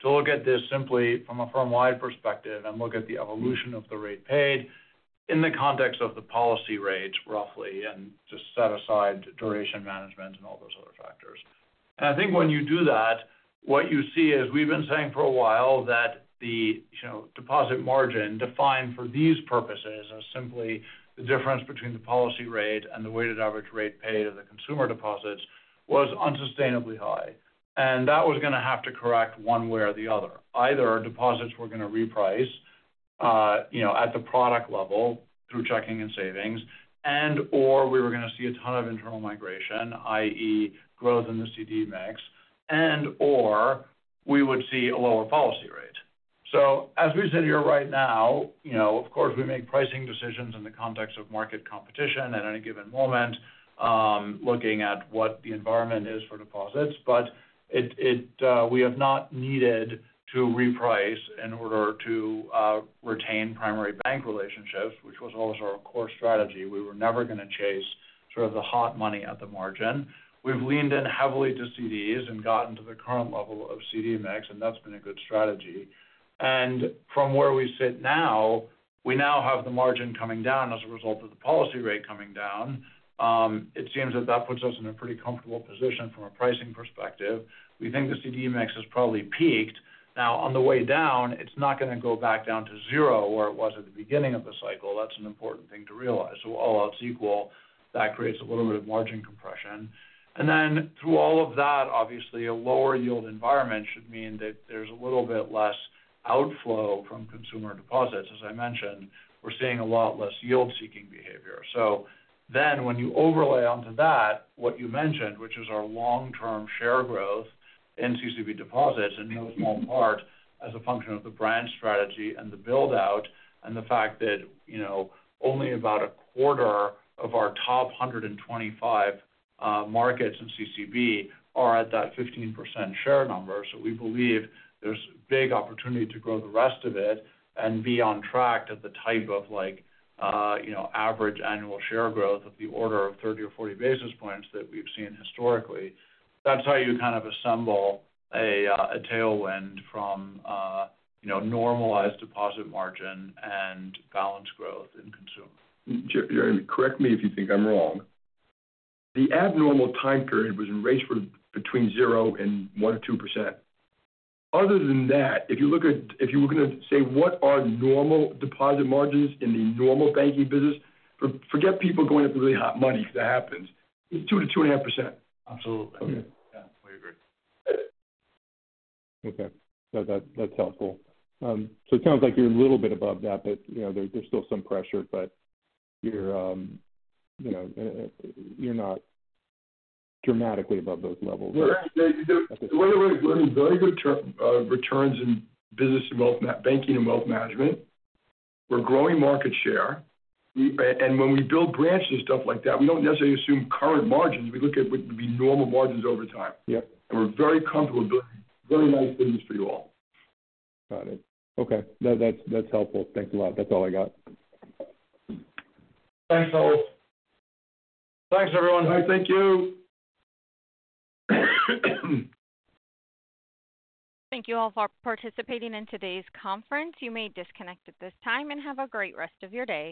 B: to look at this simply from a firm-wide perspective and look at the evolution of the rate paid... in the context of the policy rates, roughly, and just set aside duration management and all those other factors. I think when you do that, what you see is, we've been saying for a while that the, you know, deposit margin, defined for these purposes, are simply the difference between the policy rate and the weighted average rate paid of the consumer deposits, was unsustainably high. And that was gonna have to correct one way or the other. Either our deposits were gonna reprice, you know, at the product level through checking and savings, and/or we were gonna see a ton of internal migration, i.e., growth in the CD mix, and/or we would see a lower policy rate. So as we sit here right now, you know, of course, we make pricing decisions in the context of market competition at any given moment, looking at what the environment is for deposits. But we have not needed to reprice in order to retain primary bank relationships, which was always our core strategy. We were never gonna chase sort of the hot money at the margin. We've leaned in heavily to CDs and gotten to the current level of CD mix, and that's been a good strategy. And from where we sit now, we now have the margin coming down as a result of the policy rate coming down. It seems that that puts us in a pretty comfortable position from a pricing perspective. We think the CD mix has probably peaked. Now, on the way down, it's not gonna go back down to zero, where it was at the beginning of the cycle. That's an important thing to realize. So all else equal, that creates a little bit of margin compression. And then through all of that, obviously, a lower yield environment should mean that there's a little bit less outflow from consumer deposits. As I mentioned, we're seeing a lot less yield-seeking behavior. So then when you overlay onto that, what you mentioned, which is our long-term share growth in CCB deposits, in no small part, as a function of the brand strategy and the build-out, and the fact that, you know, only about a quarter of our top 125 Markets in CCB are at that 15% share number. So we believe there's big opportunity to grow the rest of it and be on track at the type of, like, you know, average annual share growth of the order of 30 or 40 basis points that we've seen historically. That's how you kind of assemble a tailwind from, you know, normalized deposit margin and balance growth in consumer.
E: Jeremy, correct me if you think I'm wrong. The abnormal time period was in the range of between 0% and 1% or 2%. Other than that, if you were gonna say, what are normal deposit margins in the normal banking business? Forget people going after really hot money, because that happens. It's 2%-2.5%.
B: Absolutely.
E: Okay.
B: Yeah, we agree.
M: Okay. So that's helpful. So it sounds like you're a little bit above that, but you know, there's still some pressure, but you know, you're not dramatically above those levels.
E: Yeah, the way we're very good long-term returns in business and wealth management. We're growing market share and when we build branches and stuff like that, we don't necessarily assume current margins. We look at what would be normal margins over time.
M: Yep.
E: We're very comfortable building very nice business for you all.
M: Got it. Okay, that's helpful. Thank you a lot. That's all I got.
E: Thanks, all.
B: Thanks, everyone.
E: Thank you.
A: Thank you all for participating in today's conference. You may disconnect at this time, and have a great rest of your day.